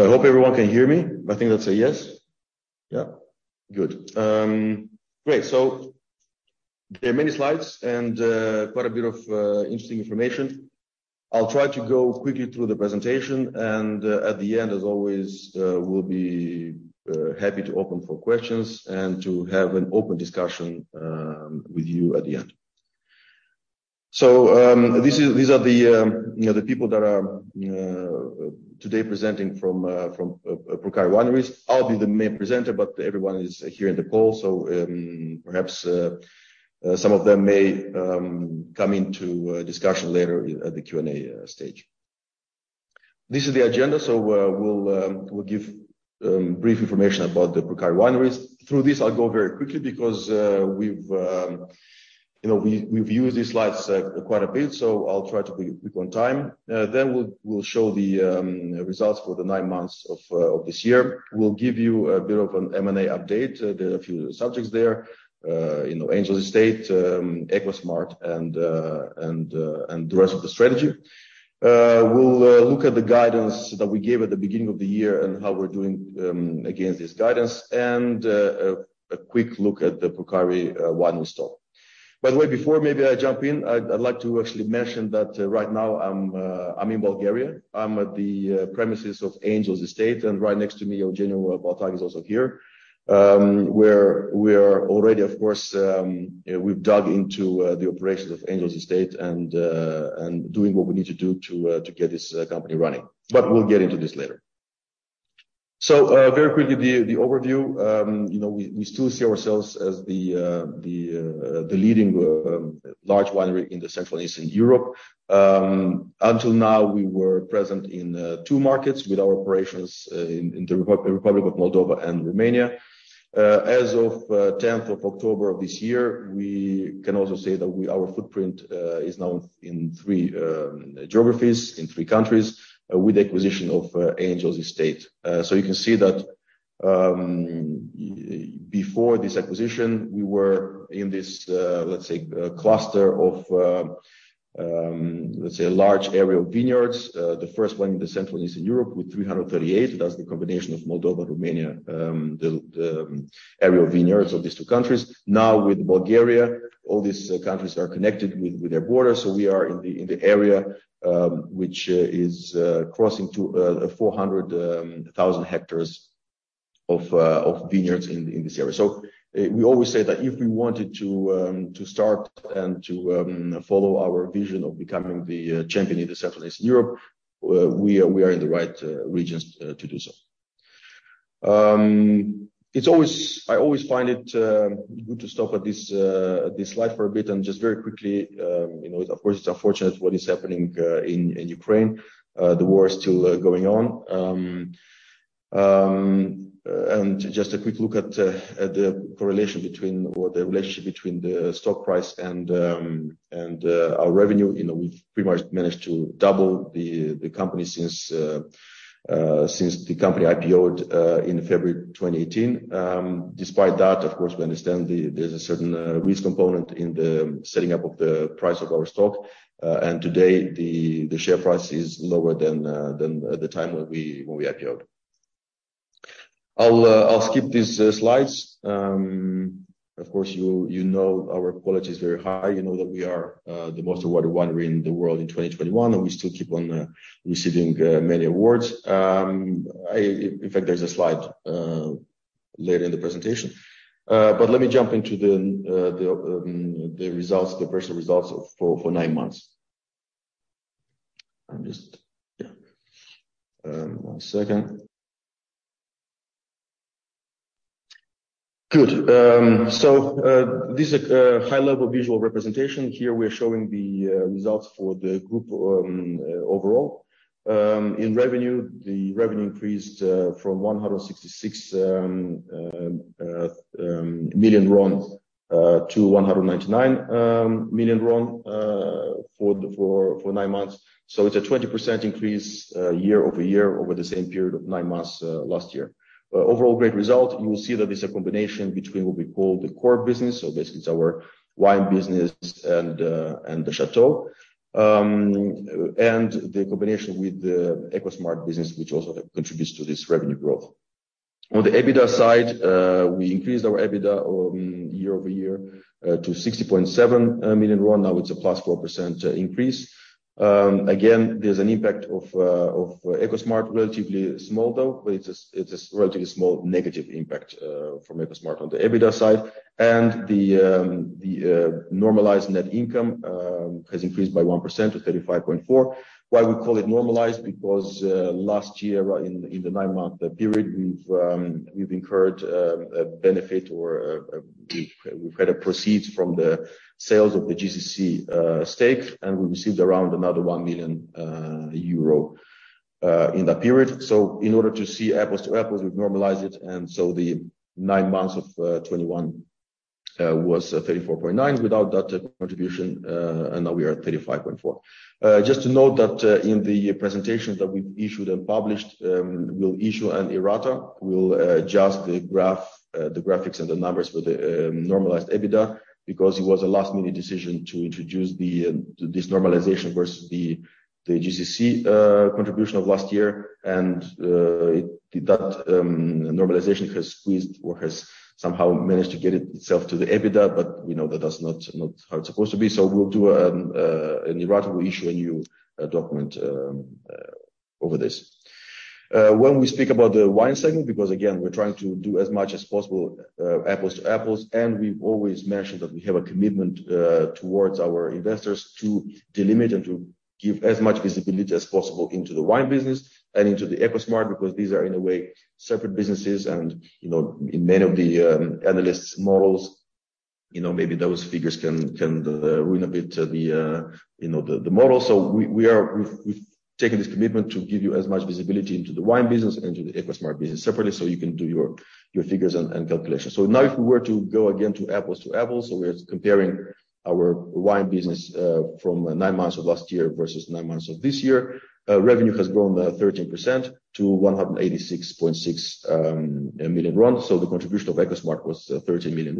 I hope everyone can hear me. I think that's a yes. Yeah. Good. Great. There are many slides and quite a bit of interesting information. I'll try to go quickly through the presentation and at the end, as always, we'll be happy to open for questions and to have an open discussion with you at the end. These are the, you know, the people that are today presenting from Purcari Wineries. I'll be the main presenter, but everyone is here in the call, perhaps some of them may come into discussion later at the Q&A stage. This is the agenda. We'll give brief information about the Purcari Wineries. Through this, I'll go very quickly because you know, we've used these slides quite a bit, so I'll try to be quick on time. Then we'll show the results for the nine months of this year. We'll give you a bit of an M&A update. There are a few subjects there. You know, Angel's Estate, EcoSmart and the rest of the strategy. We'll look at the guidance that we gave at the beginning of the year and how we're doing against this guidance. A quick look at the Purcari wine store. By the way, before maybe I jump in, I'd like to actually mention that right now I'm in Bulgaria. I'm at the premises of Angel's Estate, and right next to me, Eugeniu Baltag is also here. We're already, of course, we've dug into the operations of Angel's Estate and doing what we need to do to get this company running. We'll get into this later. Very quickly, the overview. You know, we still see ourselves as the leading large winery in Central and Eastern Europe. Until now, we were present in two markets with our operations in the Republic of Moldova and Romania. As of tenth of October of this year, we can also say that our footprint is now in three geographies, in three countries with the acquisition of Angel's Estate. You can see that, before this acquisition, we were in this, let's say, cluster of, let's say, a large area of vineyards. The first one in the Central Eastern Europe with 338. That's the combination of Moldova, Romania, the area of vineyards of these two countries. Now, with Bulgaria, all these countries are connected with their borders. We are in the area which is crossing to 400,000 hectares of vineyards in this area. We always say that if we wanted to start and to follow our vision of becoming the champion in the Central Eastern Europe, we are in the right regions to do so. I always find it good to stop at this slide for a bit. Just very quickly, you know, of course, it's unfortunate what is happening in Ukraine. The war is still going on. Just a quick look at the correlation between or the relationship between the stock price and our revenue. You know, we've pretty much managed to double the company since the company IPO'd in February 2018. Despite that, of course, we understand there's a certain risk component in the setting up of the price of our stock. Today the share price is lower than at the time when we IPO'd. I'll skip these slides. Of course, you know our quality is very high. You know that we are the most awarded winery in the world in 2021, and we still keep on receiving many awards. In fact, there's a slide later in the presentation. Let me jump into the financial results for nine months. This is a high-level visual representation. Here we're showing the results for the group overall. In revenue, the revenue increased from RON 166 million to RON 199 million for nine months. So it's a 20% increase year-over-year over the same period of nine months last year. Overall great result. You will see that it's a combination between what we call the core business. Basically, it's our wine business and the château and the combination with the EcoSmart business, which also contributes to this revenue growth. On the EBITDA side, we increased our EBITDA year-over-year to RON 60.7 million. Now it's a +4% increase. Again, there's an impact of EcoSmart, relatively small, though. It's a relatively small negative impact from EcoSmart on the EBITDA side. The normalized net income has increased by 1% to RON 35.4 million. Why we call it normalized? Because last year, in the nine-month period, we've incurred a benefit or we've had proceeds from the sales of the GCC stake, and we received around another 1 million euro in that period. In order to see apples to apples, we've normalized it. The nine months of 2021 was 34.9 without that contribution, and now we are at 35.4. Just to note that in the presentations that we've issued and published, we'll issue an errata. We'll adjust the graph, the graphics and the numbers with the normalized EBITDA because it was a last-minute decision to introduce this normalization versus the GCC contribution of last year. That normalization has squeezed or has somehow managed to get it itself to the EBITDA, but we know that that's not how it's supposed to be. We'll do an errata. We'll issue a new document over this. When we speak about the wine segment, because again, we're trying to do as much as possible apples to apples, and we've always mentioned that we have a commitment towards our investors to delimit and to give as much visibility as possible into the wine business and into the EcoSmart because these are in a way separate businesses and, you know, in many of the analysts' models, you know, maybe those figures can ruin a bit the model. We've taken this commitment to give you as much visibility into the wine business and to the EcoSmart business separately, so you can do your figures and calculations. Now if we were to go again to apples to apples, we're comparing our wine business from nine months of last year versus nine months of this year. Revenue has grown 13% to RON 186.6 million. The contribution of EcoSmart was RON 13 million.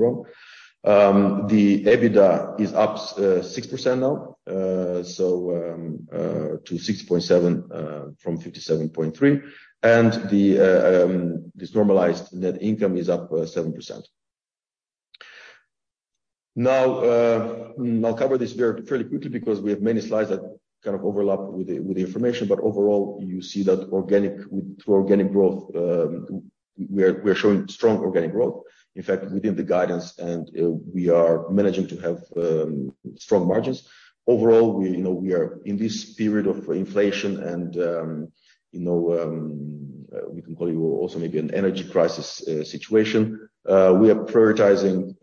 The EBITDA is up 6% now to RON 67.3 million from RON 57.3 million. This normalized net income is up 7%. I'll cover this very fairly quickly because we have many slides that kind of overlap with the information. Overall, you see that through organic growth, we're showing strong organic growth, in fact, within the guidance, and we are managing to have strong margins. Overall, you know, we are in this period of inflation and, you know, we can call it also maybe an energy crisis situation. We are prioritizing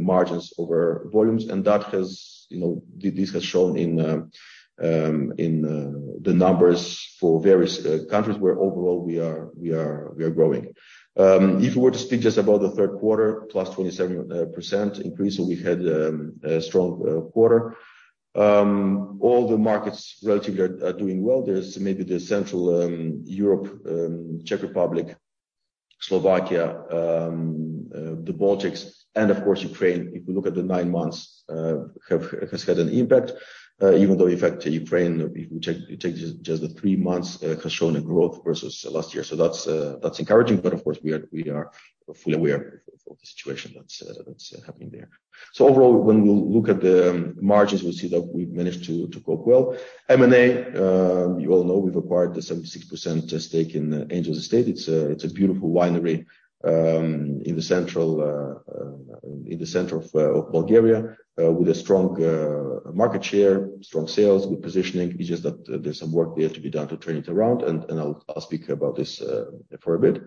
margins over volumes. That has, you know, shown in the numbers for various countries where overall we are growing. If we were to speak just about the third quarter, +27% increase. We had a strong quarter. All the markets relatively are doing well. There's maybe the central Europe, Czech Republic, Slovakia, the Baltics, and of course, Ukraine, if we look at the nine months, has had an impact. Even though in fact Ukraine, if you take just the three months, has shown a growth versus last year. That's encouraging. Of course, we are fully aware of the situation that's happening there. Overall, when we look at the margins, we see that we've managed to cope well. M&A, you all know we've acquired the 76% stake in Angel's Estate. It's a beautiful winery in the center of Bulgaria, with a strong market share, strong sales, good positioning. It's just that there's some work there to be done to turn it around. I'll speak about this for a bit.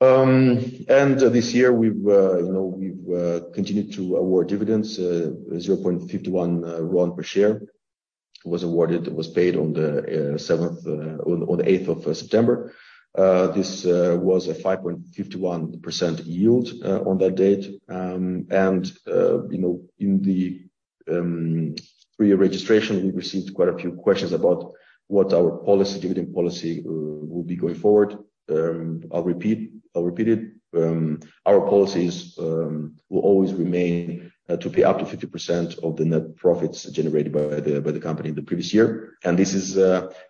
This year, you know, we've continued to award dividends. 0.51 RON per share was awarded. It was paid on the eighth of September. This was a 5.51% yield on that date. You know, in the pre-registration, we received quite a few questions about what our policy, dividend policy will be going forward. I'll repeat it. Our policies will always remain to pay up to 50% of the net profits generated by the company in the previous year. This is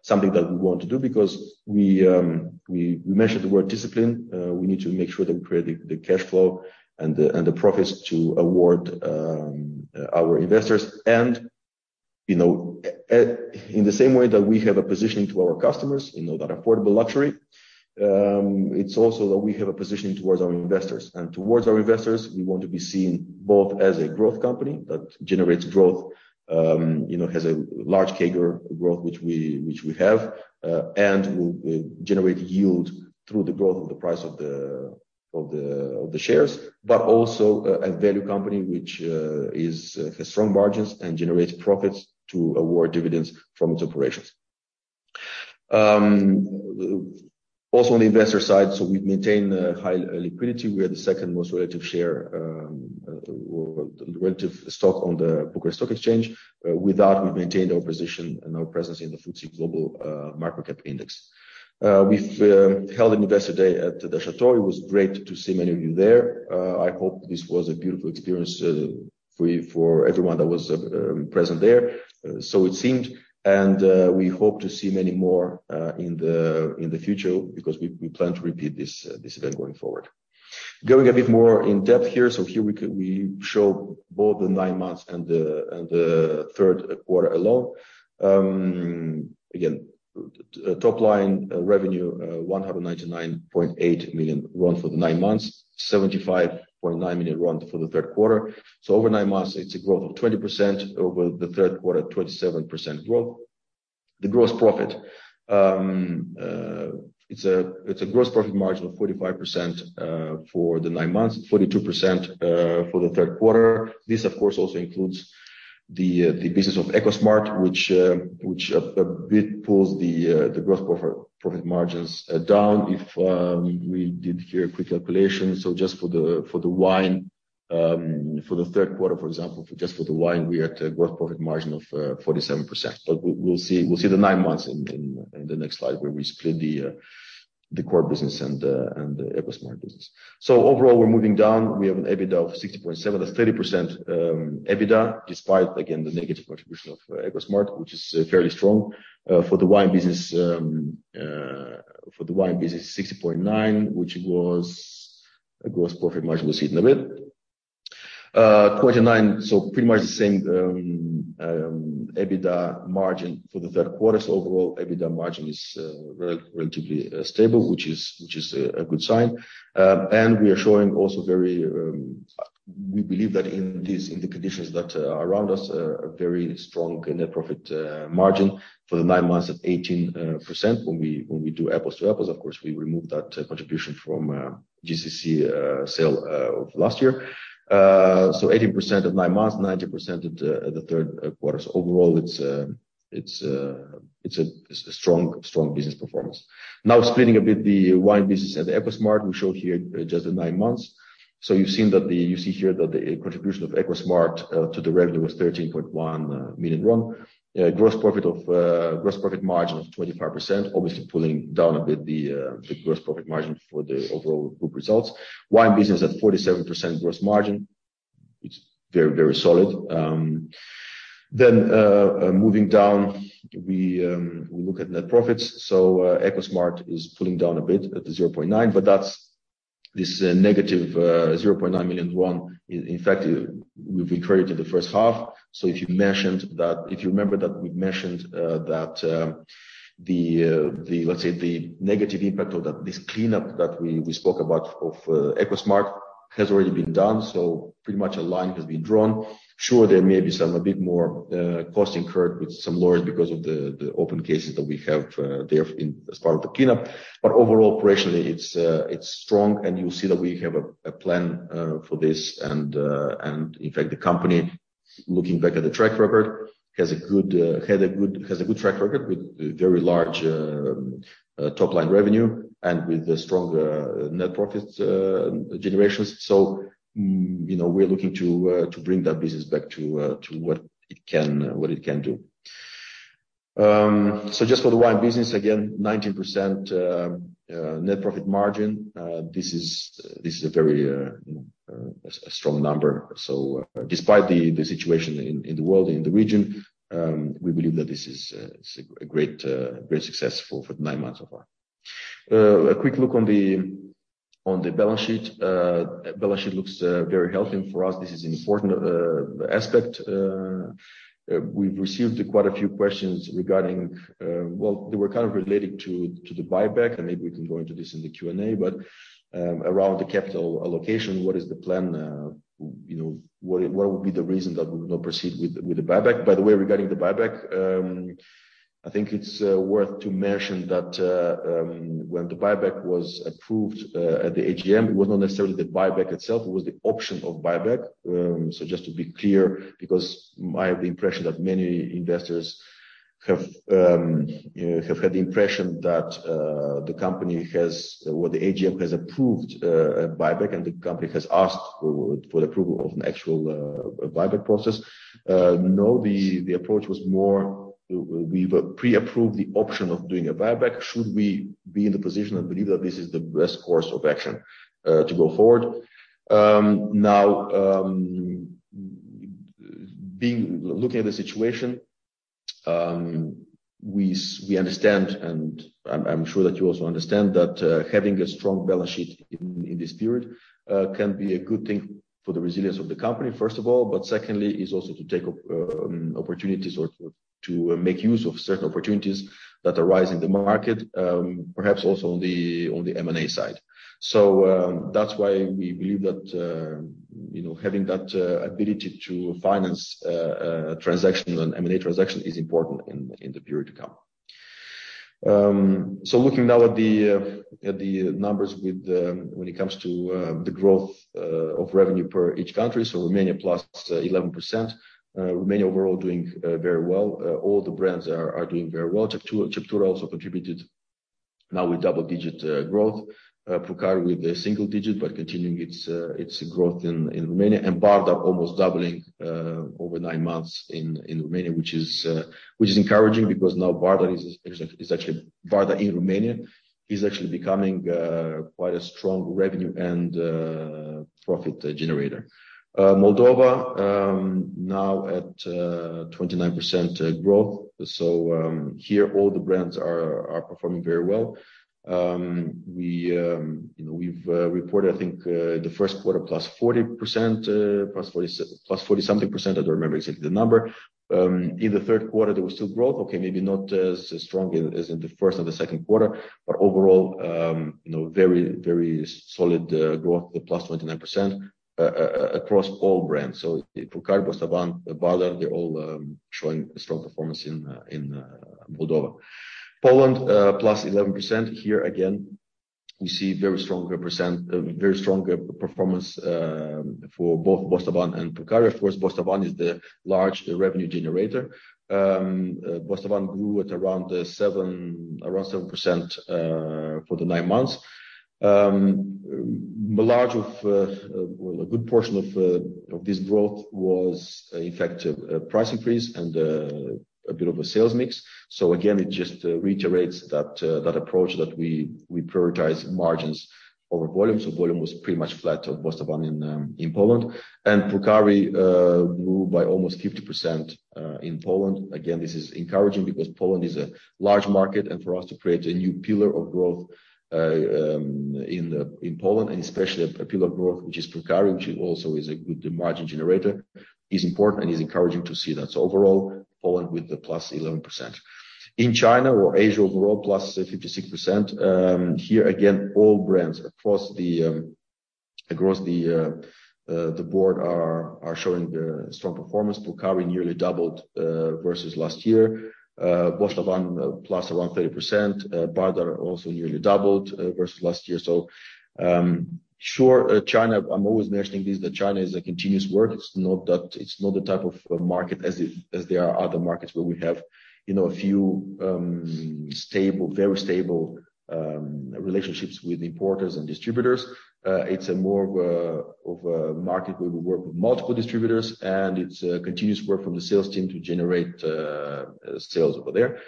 something that we want to do because we mentioned the word discipline. We need to make sure that we create the cash flow and the profits to reward our investors. You know, in the same way that we have a positioning to our customers, you know, that affordable luxury, it's also that we have a positioning towards our investors. Towards our investors, we want to be seen both as a growth company that generates growth, you know, has a large CAGR growth, which we have, and will generate yield through the growth of the price of the shares, but also a value company which is has strong margins and generates profits to reward dividends from its operations. Also on the investor side, we've maintained a high liquidity. We are the second most liquid share, liquid stock on the Bucharest Stock Exchange. With that, we've maintained our position and our presence in the FTSE Global Micro-Cap Index. We've held an investor day at the Château. It was great to see many of you there. I hope this was a beautiful experience, for you, for everyone that was present there. It seemed. We hope to see many more in the future because we plan to repeat this event going forward. Going a bit more in depth here. Here we show both the nine months and the third quarter alone. Again, top line, revenue, RON 199.8 million for the nine months, RON 75.9 million for the third quarter. Over nine months, it's a growth of 20%. Over the third quarter, 27% growth. The gross profit, it's a gross profit margin of 45% for the nine months, 42% for the third quarter. This, of course, also includes the business of EcoSmart, which a bit pulls the gross profit margins down. If we did here a quick calculation. Just for the wine, for the third quarter, for example, just for the wine, we are at a gross profit margin of 47%. We'll see the nine months in the next slide where we split the core business and the EcoSmart business. Overall, we're moving down. We have an EBITDA of RON 60.7. That's 30% EBITDA, despite again the negative contribution of EcoSmart, which is fairly strong. For the wine business 60.9, which was a gross profit margin was hitting a bit. Quarter nine, so pretty much the same, EBITDA margin for the third quarter. Overall, EBITDA margin is relatively stable, which is a good sign. We are showing also very, we believe that in these conditions that around us are very strong net profit margin for the nine months of 18%. When we do apples to apples, of course, we remove that contribution from GCC sale of last year. So 18% of nine months, 19% at the third quarter. Overall it's a strong business performance. Now splitting a bit the wine business and the EcoSmart, we show here just the nine months. So you see here that the contribution of EcoSmart to the revenue was RON 13.1 million. Gross profit margin of 25%, obviously pulling down a bit the gross profit margin for the overall group results. Wine business at 47% gross margin. It's very solid. Moving down, we look at net profits. EcoSmart is pulling down a bit at the -0.9 million RON, but that's this negative 0.9 million RON. In fact, we've included in the first half. If you remember that we mentioned that the, let's say, the negative impact or that this cleanup that we spoke about of EcoSmart has already been done. Pretty much a line has been drawn. Sure, there may be some, a bit more cost incurred with some lawyers because of the open cases that we have there, as part of the cleanup. But overall, operationally it's strong and you'll see that we have a plan for this. In fact, the company looking back at the track record has a good track record with very large top line revenue and with strong net profits generations. You know, we're looking to bring that business back to what it can do. Just for the wine business, again, 19% net profit margin. This is a very, you know, a strong number. Despite the situation in the world and in the region, we believe that this is a great success for the nine months of our. A quick look on the balance sheet. Balance sheet looks very healthy. For us this is an important aspect. We've received quite a few questions regarding well, they were kind of relating to the buyback, and maybe we can go into this in the Q&A. Around the capital allocation, what is the plan, you know, what would be the reason that we would not proceed with the buyback? By the way, regarding the buyback, I think it's worth to mention that, when the buyback was approved at the AGM, it was not necessarily the buyback itself, it was the option of buyback. Just to be clear, because I have the impression that many investors have, you know, have had the impression that the company has or the AGM has approved a buyback and the company has asked for the approval of an actual buyback process. No, the approach was more we've pre-approved the option of doing a buyback should we be in the position and believe that this is the best course of action to go forward. Looking at the situation, we understand, and I'm sure that you also understand that having a strong balance sheet in this period can be a good thing for the resilience of the company, first of all. Secondly is also to take opportunities or to make use of certain opportunities that arise in the market, perhaps also on the M&A side. That's why we believe that, you know, having that ability to finance transaction and M&A transaction is important in the period to come. Looking now at the numbers, when it comes to the growth of revenue per each country. Romania +11%. Romania overall doing very well. All the brands are doing very well. Ceptura also contributed now with double-digit growth. Purcari with a single-digit, but continuing its growth in Romania. Bardar almost doubling over 9 months in Romania, which is encouraging because now Bardar in Romania is actually becoming quite a strong revenue and profit generator. Moldova now at 29% growth. Here all the brands are performing very well. We you know we've reported I think the first quarter +40%, plus forty something percent. I don't remember exactly the number. In the third quarter there was still growth. Okay, maybe not as strong as in the first or the second quarter. Overall you know very very solid growth with +29% across all brands. Purcari, Bostavan, Bardar, they're all showing strong performance in Moldova. Poland +11%. We see very strong performance for both Bostavan and Purcari. Of course, Bostavan is the large revenue generator. Bostavan grew at around 7% for the nine months. A good portion of this growth was in fact a price increase and a bit of a sales mix. It just reiterates that approach that we prioritize margins over volume. Volume was pretty much flat on Bostavan in volume. Purcari grew by almost 50% in volume. This is encouraging because Poland is a large market, and for us to create a new pillar of growth in Poland, and especially a pillar of growth which is Purcari, which also is a good margin generator, is important and is encouraging to see that. Overall, Poland with the +11%. In China or Asia overall, +56%. Here again, all brands across the board are showing strong performance. Purcari nearly doubled versus last year. Bostavan + around 30%. Bardar also nearly doubled versus last year. China, I'm always mentioning this, that China is a continuous work. It's not the type of market as if there are other markets where we have, you know, a few, stable, very stable, relationships with importers and distributors. It's more of a market where we work with multiple distributors, and it's a continuous work from the sales team to generate sales over there.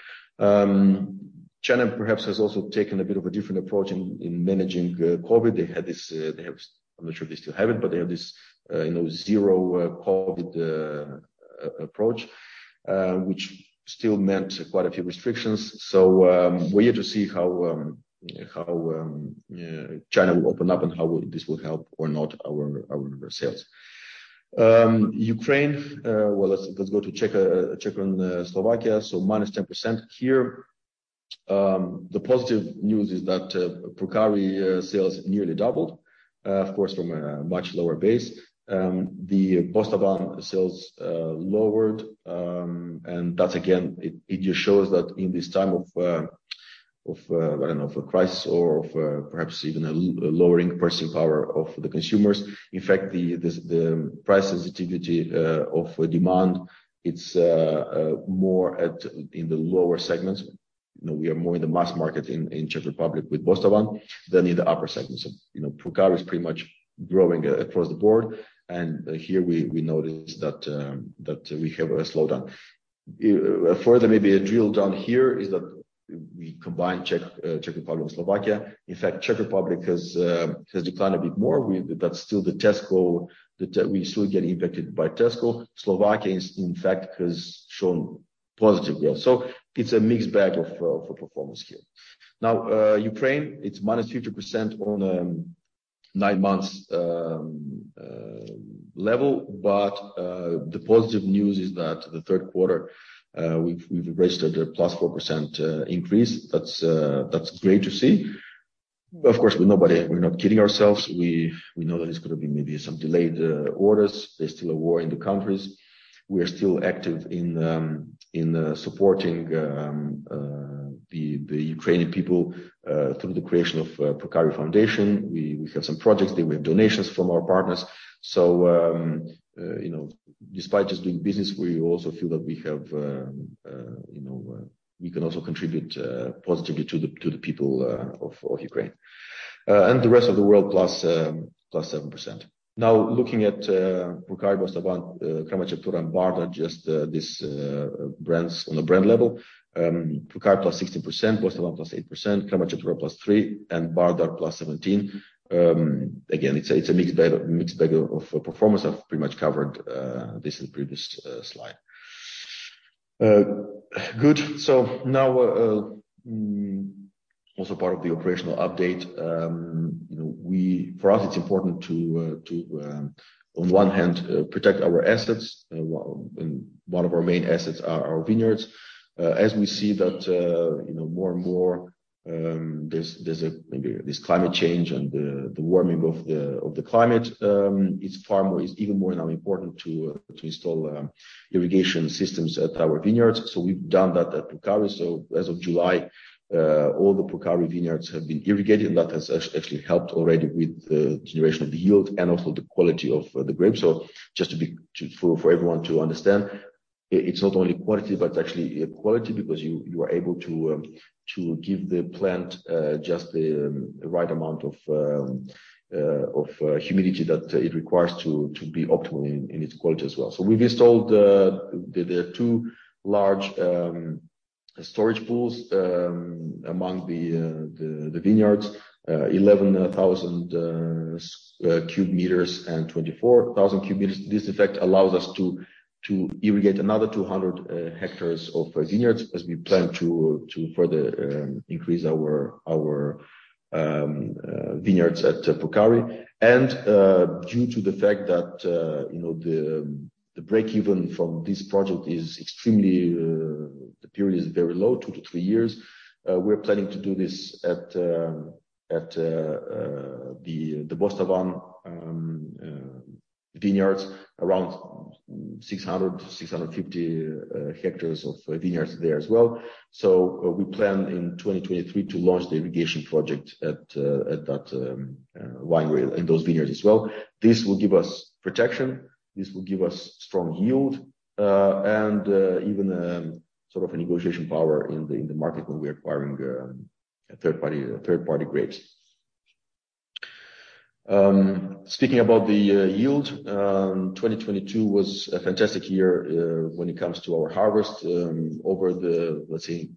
China perhaps has also taken a bit of a different approach in managing COVID. They had this. They have. I'm not sure they still have it, but they have this, you know, zero COVID approach, which still meant quite a few restrictions. We're yet to see how China will open up and how this will help or not our sales. Well, let's go to Czech and Slovakia. -10% here. The positive news is that Purcari sales nearly doubled, of course, from a much lower base. The Bostavan sales lowered. That again it just shows that in this time of a crisis or of perhaps even a lowering purchasing power of the consumers. In fact, the price sensitivity of demand, it's more in the lower segments. You know, we are more in the mass market in Czech Republic with Bostavan than in the upper segments. You know, Purcari is pretty much growing across the board. Here we notice that we have a slowdown. Further maybe a drill down here is that we combine Czech Republic and Slovakia. In fact, Czech Republic has declined a bit more. That's still the Tesco. We still get impacted by Tesco. Slovakia in fact has shown positive growth. It's a mixed bag for performance here. Now Ukraine, it's -50% on nine months level. The positive news is that the third quarter we've registered a +4% increase. That's great to see. Of course, we're not kidding ourselves. We know that it's gonna be maybe some delayed orders. There's still a war in the countries. We are still active in supporting the Ukrainian people through the creation of Purcari Foundation. We have some projects there. We have donations from our partners. You know, despite just doing business, we also feel that we have, you know, we can also contribute positively to the people of Ukraine and the rest of the world, +7%. Now looking at Purcari, Bostavan, Crama Ceptura and Bardar, just these brands on a brand level. Purcari +16%, Bostavan +8%, Crama Ceptura +3%, and Bardar +17%. Again, it's a mixed bag of performance. I've pretty much covered this in previous slide. Good. Now, also part of the operational update. You know, for us it's important to, on one hand, protect our assets. One of our main assets are our vineyards. As we see that, you know, more and more, there's maybe this climate change and the warming of the climate, it's even more now important to install irrigation systems at our vineyards. We've done that at Purcari. As of July, all the Purcari vineyards have been irrigated. That has actually helped already with the generation of the yield and also the quality of the grapes. Just for everyone to understand, it's not only quality, but actually quantity because you are able to give the plant just the right amount of humidity that it requires to be optimal in its quality as well. We've installed the two large storage pools among the vineyards. 11,000 cubic meters and 24,000 cubic meters. This in fact allows us to irrigate another 200 hectares of vineyards as we plan to further increase our vineyards at Purcari. Due to the fact that you know the breakeven period from this project is very low, 2-3 years, we're planning to do this at the Bostavan vineyards around 600-650 hectares of vineyards there as well. We plan in 2023 to launch the irrigation project at that winery in those vineyards as well. This will give us protection, this will give us strong yield, and even sort of a negotiation power in the market when we're acquiring third-party grapes. Speaking about the yield, 2022 was a fantastic year when it comes to our harvest. Let's say,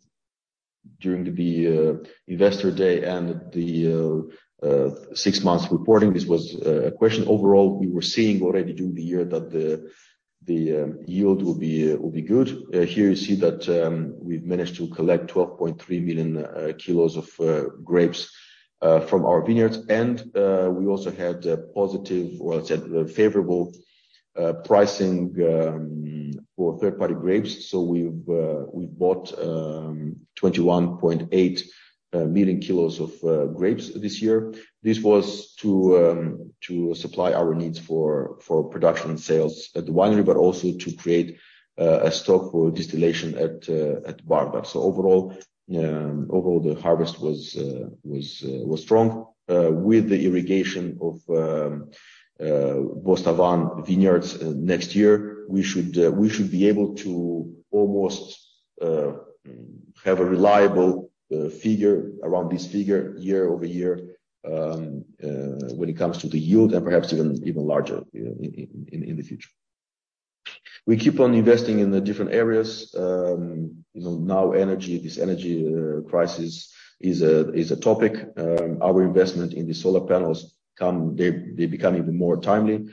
during the Investor Day and the six months reporting, this was a question. Overall, we were seeing already during the year that the yield will be good. Here you see that we've managed to collect 12.3 million kilos of grapes from our vineyards. We also had a positive, or let's say, favorable pricing for third-party grapes. We've bought 21.8 million kilos of grapes this year. This was to supply our needs for production and sales at the winery, but also to create a stock for distillation at Bardar. Overall, the harvest was strong. With the irrigation of Bostavan vineyards next year, we should be able to almost have a reliable figure around this figure year-over-year when it comes to the yield, and perhaps even larger in the future. We keep on investing in the different areas. You know, now energy, this energy crisis is a topic. Our investment in the solar panels becomes even more timely.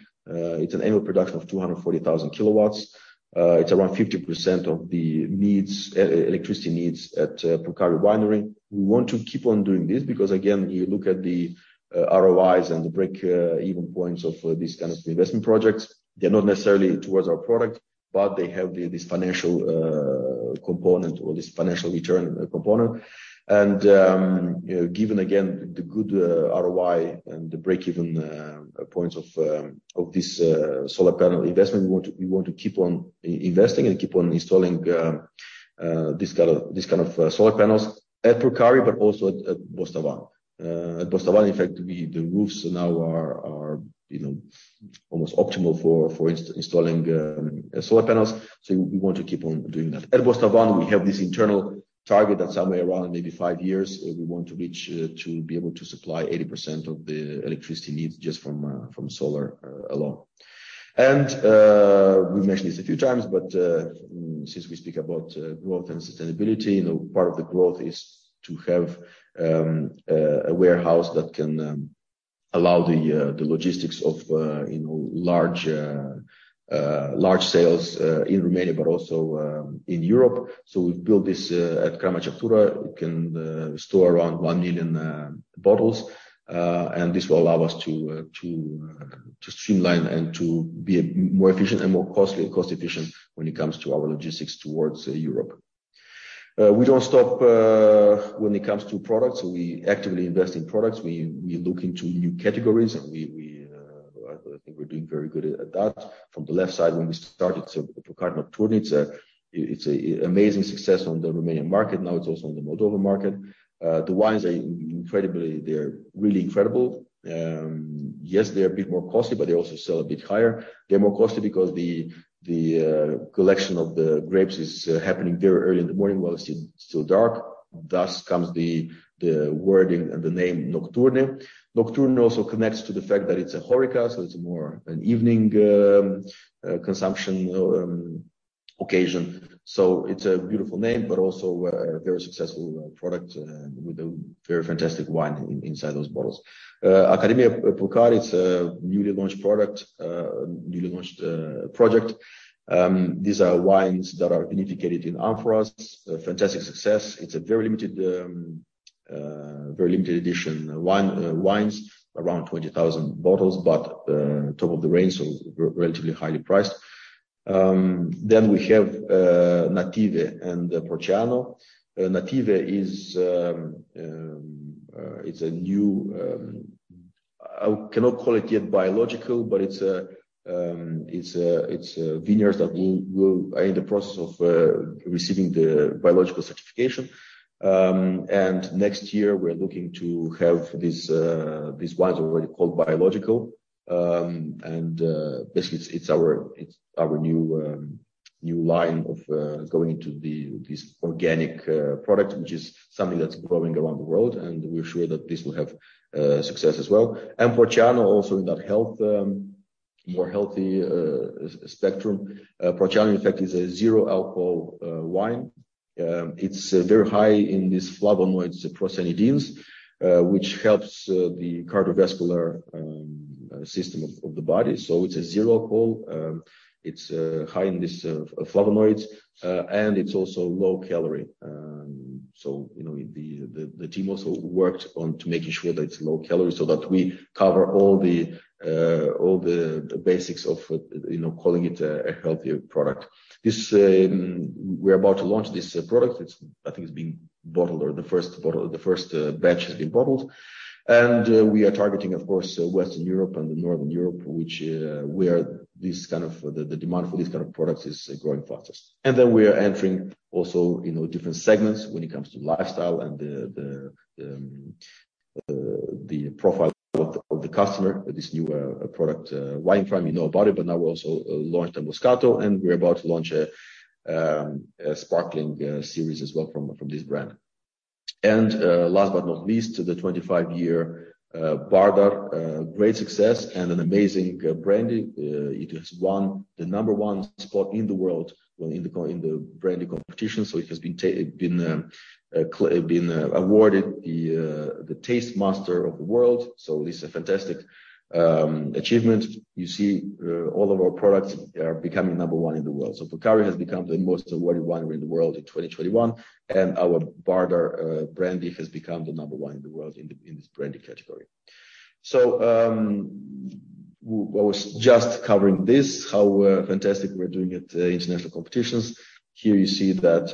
It's an annual production of 240,000 kWh. It's around 50% of the needs, electricity needs at Purcari Wineries. We want to keep on doing this because again, you look at the ROIs and the break-even points of these kind of investment projects. They're not necessarily towards our product, but they have this financial component or this financial return component. You know, given again the good ROI and the break-even points of this solar panel investment, we want to keep on investing and keep on installing this kind of solar panels at Purcari, but also at Bostavan. At Bostavan, in fact, the roofs now are you know, almost optimal for installing solar panels. We want to keep on doing that. At Bostavan, we have this internal target that somewhere around maybe 5 years we want to reach to be able to supply 80% of the electricity needs just from solar alone. We've mentioned this a few times, but since we speak about growth and sustainability, you know, part of the growth is to have a warehouse that can allow the logistics of you know large sales in Romania, but also in Europe. We've built this at Iași. It can store around 1 million bottles. This will allow us to streamline and to be more efficient and more cost-efficient when it comes to our logistics towards Europe. We don't stop when it comes to products. We actively invest in products. We look into new categories and I think we're doing very good at that. From the left side when we started, Purcari Nocturne, it's an amazing success on the Romanian market. Now it's also on the Moldova market. The wines are incredibly. They're really incredible. Yes, they're a bit more costly, but they also sell a bit higher. They're more costly because the collection of the grapes is happening very early in the morning, while it's still dark. Thus comes the wording and the name Nocturne. Nocturne also connects to the fact that it's a HORECA, so it's more an evening consumption occasion. It's a beautiful name, but also a very successful product with a very fantastic wine inside those bottles. Academia Purcari, it's a newly launched project. These are wines that are vinified in amphoras. A fantastic success. It's a very limited edition wines, around 20,000 bottles. But top of the range, relatively highly priced. Then we have Native and Prociano. Native is a new, I cannot call it yet biological, but it's a vineyards that are in the process of receiving the biological certification. Next year we're looking to have these wines already called biological. Basically it's our new line of going into this organic product, which is something that's growing around the world, and we're sure that this will have success as well. Prociano also in that health more healthy spectrum. Prociano, in fact, is a zero alcohol wine. It's very high in these flavonoids procyanidins, which helps the cardiovascular system of the body. It's a zero alcohol, it's high in these flavonoids, and it's also low calorie. You know, the team also worked on to making sure that it's low calorie so that we cover all the basics of you know calling it a healthier product. We're about to launch this product. I think the first batch has been bottled. We are targeting, of course, Western Europe and Northern Europe, which, where this kind of the demand for these kind of products is growing fastest. We are entering also, you know, different segments when it comes to lifestyle and the profile of the customer. This new product, wine frame, you know about it, but now we also launched a Moscato, and we're about to launch a sparkling series as well from this brand. Last but not least, the 25-year Bardar, great success and an amazing brandy. It has won the number one spot in the world in the brandy competition. It has been awarded the Taste Master of the World. This is a fantastic achievement. You see, all of our products are becoming number one in the world. Purcari has become the most awarded winery in the world in 2021, and our Bardar brandy has become the number one in the world in this brandy category. We were just covering this, how fantastic we're doing at international competitions. Here you see that,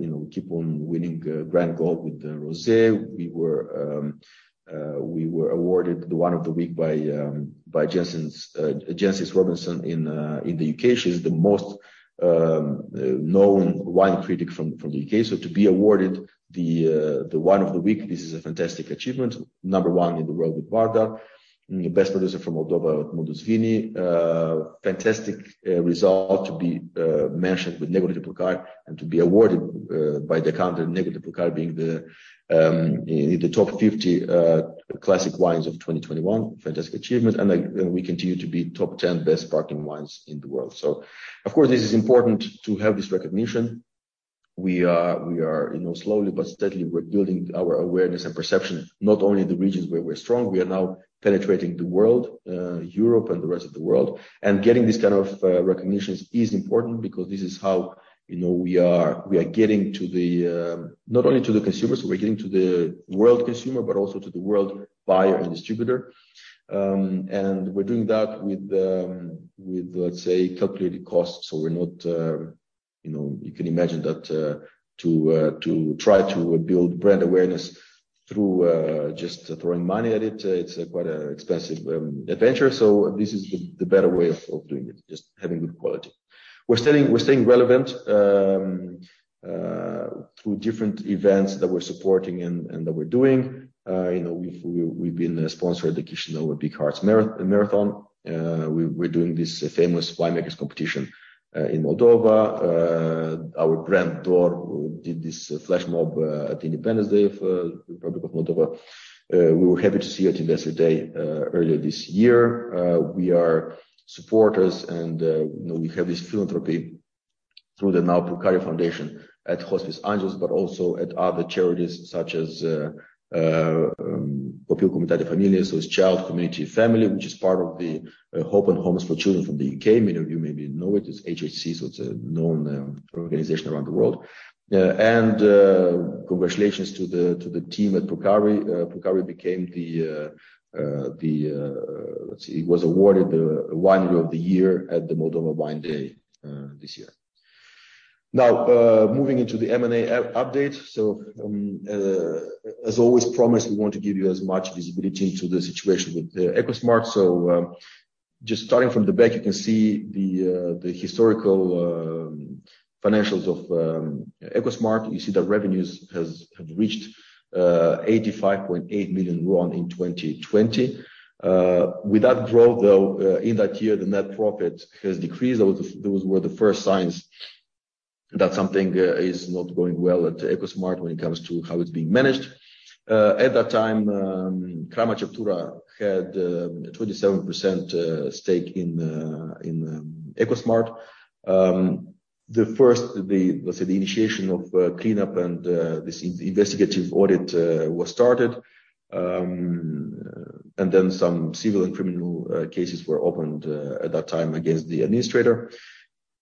you know, we keep on winning grand gold with rosé. We were awarded the Wine of the Week by Jancis Robinson in the UK. She's the most known wine critic from the UK. To be awarded the Wine of the Week, this is a fantastic achievement. Number 1 in the world with Bardar. Best producer from Moldova at Mundus Vini. Fantastic result to be mentioned with Negru de Purcari and to be awarded by Decanter Negru de Purcari being in the top 50 classic wines of 2021. Fantastic achievement. We continue to be top 10 best sparkling wines in the world. Of course, this is important to have this recognition. We are, you know, slowly but steadily, we're building our awareness and perception, not only in the regions where we're strong, we are now penetrating the world, Europe and the rest of the world. Getting this kind of recognitions is important because this is how, you know, we are getting to the, not only to the consumers, we're getting to the world consumer, but also to the world buyer and distributor. We're doing that with, let's say, calculated costs. We're not, you know. You can imagine that, to try to build brand awareness through just throwing money at it's quite expensive adventure. This is the better way of doing it, just having good quality. We're staying relevant through different events that we're supporting and that we're doing. You know, we've been a sponsor at the Chisinau Big Hearts Marathon. We're doing this famous winemakers competition in Moldova. Our brand, DOR, did this flash mob at Independence Day of Republic of Moldova. We were happy to see you at Investor Day earlier this year. We are supporters and, you know, we have this philanthropy through the now Purcari Foundation at Hospice Angelus, but also at other charities such as Copil, Comunitate, Familie. It's Child Community Family, which is part of the Hope and Homes for Children from the UK. Many of you maybe know it. It's HHC, so it's a known organization around the world. Congratulations to the team at Purcari. Purcari became the Winery of the Year at the National Wine Day of Moldova this year. Now moving into the M&A update. As always promised, we want to give you as much visibility into the situation with EcoSmart. Just starting from the back, you can see the historical financials of EcoSmart. You see the revenues have reached RON 85.8 million in 2020. With that growth, though, in that year, the net profit has decreased. Those were the first signs that something is not going well at EcoSmart when it comes to how it's being managed. At that time, Crama Ceptura had a 27% stake in EcoSmart. The first, let's say, the initiation of cleanup and this investigative audit was started. Then some civil and criminal cases were opened at that time against the administrator.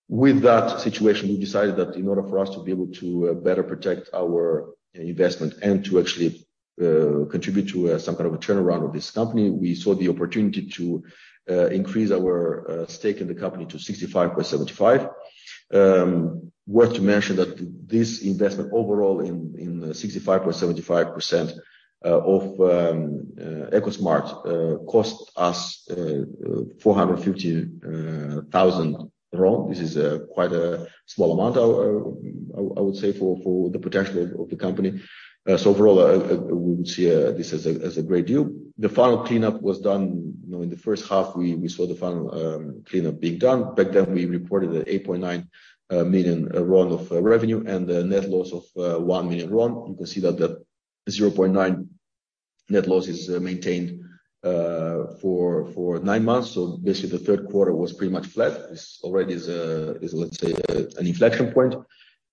With that situation, we decided that in order for us to be able to better protect our investment and to actually contribute to some kind of a turnaround of this company, we saw the opportunity to increase our stake in the company to 65.75%. Worth to mention that this investment overall in 65.75% of EcoSmart cost us RON 450,000. This is quite a small amount, I would say, for the potential of the company. Overall, we would see this as a great deal. The final cleanup was done, you know, in the first half. We saw the final cleanup being done. Back then, we reported that RON 8.9 million of revenue and the net loss of RON 1 million. You can see that the RON 0.9 million net loss is maintained for nine months. Basically, the third quarter was pretty much flat. This already is, let's say, an inflection point.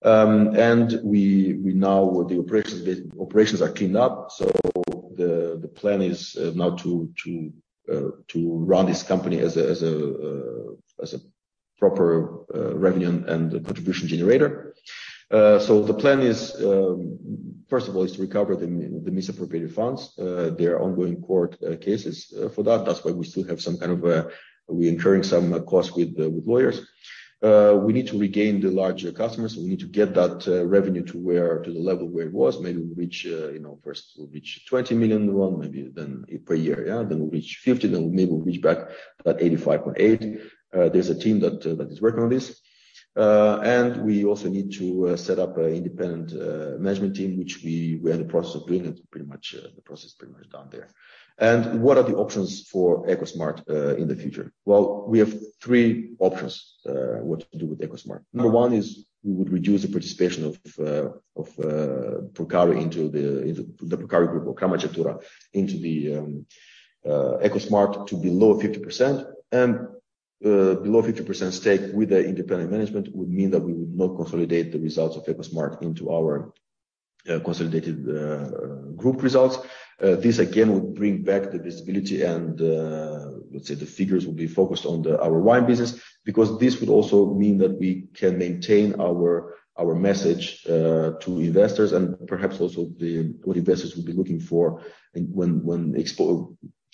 We know the operations are cleaned up. The plan is now to run this company as a proper revenue and contribution generator. The plan is, first of all, to recover the misappropriated funds. There are ongoing court cases for that. That's why we still have some kind of, we're incurring some costs with lawyers. We need to regain the larger customers. We need to get that revenue to the level where it was. Maybe we'll reach, you know, first we'll reach RON 20 million, maybe then per year, yeah. Then we'll reach 50, then maybe we'll reach back that 85.8. There's a team that is working on this. We also need to set up an independent management team, which we're in the process of doing it, pretty much, the process is pretty much done there. What are the options for EcoSmart in the future? Well, we have three options what to do with EcoSmart. Number one is we would reduce the participation of Purcari into the Purcari Group or into the EcoSmart to below 50%. Below 50% stake with the independent management would mean that we would not consolidate the results of EcoSmart into our consolidated group results. This again would bring back the visibility and, let's say, the figures will be focused on our wine business, because this would also mean that we can maintain our message to investors and perhaps also what investors would be looking for and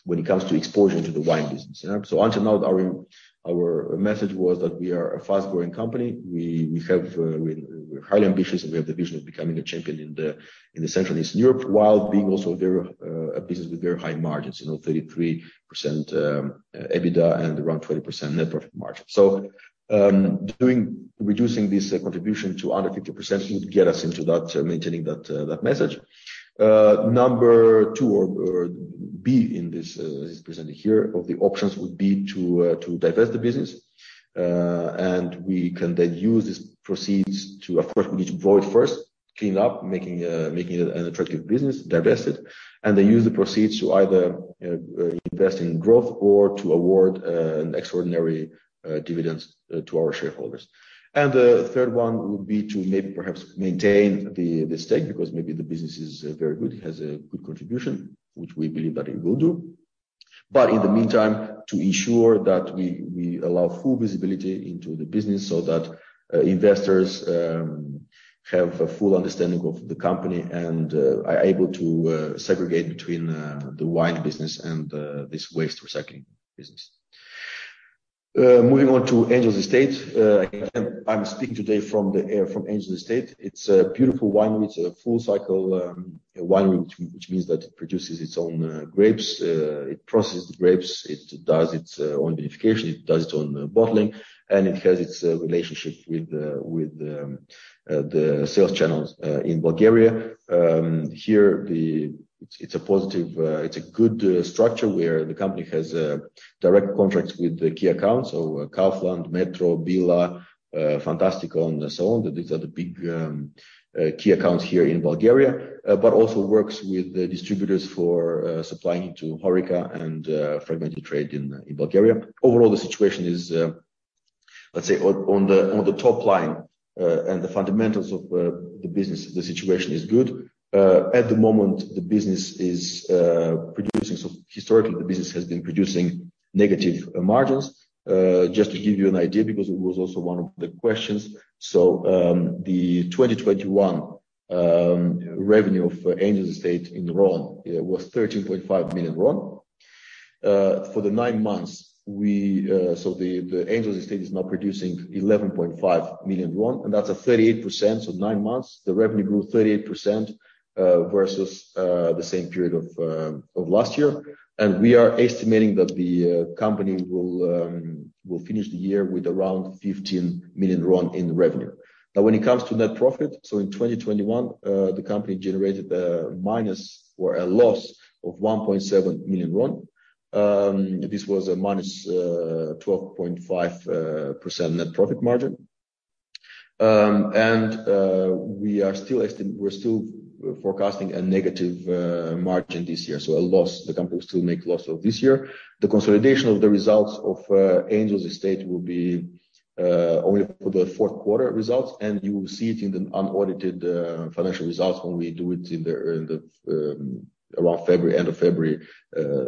when it comes to exposure to the wine business. Until now, our message was that we are a fast-growing company. We have, we're highly ambitious, and we have the vision of becoming a champion in the Central and Eastern Europe while being also very a business with very high margins, you know, 33% EBITDA and around 20% net profit margin. Reducing this contribution to under 50% would get us into that, maintaining that message. Number two or B in this is presented here of the options would be to divest the business. We can then use these proceeds to of course, we need to void first, clean up, making it an attractive business, divest it, and then use the proceeds to either invest in growth or to award an extraordinary dividends to our shareholders. The third one would be to maybe perhaps maintain the stake, because maybe the business is very good, it has a good contribution, which we believe that it will do. In the meantime, to ensure that we allow full visibility into the business so that investors have a full understanding of the company and are able to segregate between the wine business and this waste recycling business. Moving on to Angel's Estate. Again, I'm speaking today from the area, from Angel's Estate. It's a beautiful winery. It's a full cycle winery, which means that it produces its own grapes. It processes the grapes, it does its own vinification, it does its own bottling, and it has its relationship with the sales channels in Bulgaria. It's a positive, good structure where the company has direct contracts with the key accounts. Kaufland, Metro, Billa, Fantastico, and so on. These are the big key accounts here in Bulgaria, but also works with the distributors for supplying to HORECA and fragmented trade in Bulgaria. Overall, the situation is, let's say on the top line, and the fundamentals of the business, the situation is good. At the moment, the business is producing. Historically, the business has been producing negative margins. Just to give you an idea, because it was also one of the questions. The 2021 revenue for Angel's Estate in RON was RON 13.5 million. For the nine months, the Angel's Estate is now producing RON 11.5 million, and that's a 38%. Nine months, the revenue grew 38% versus the same period of last year. We are estimating that the company will finish the year with around RON 15 million in revenue. Now, when it comes to net profit, in 2021, the company generated a minus or a loss of RON 1.7 million. This was a minus 12.5% net profit margin. We are still forecasting a negative margin this year. A loss, the company will still make a loss this year. The consolidation of the results of Angel's Estate will be only for the fourth quarter results, and you will see it in the unaudited financial results when we do it in the around end of February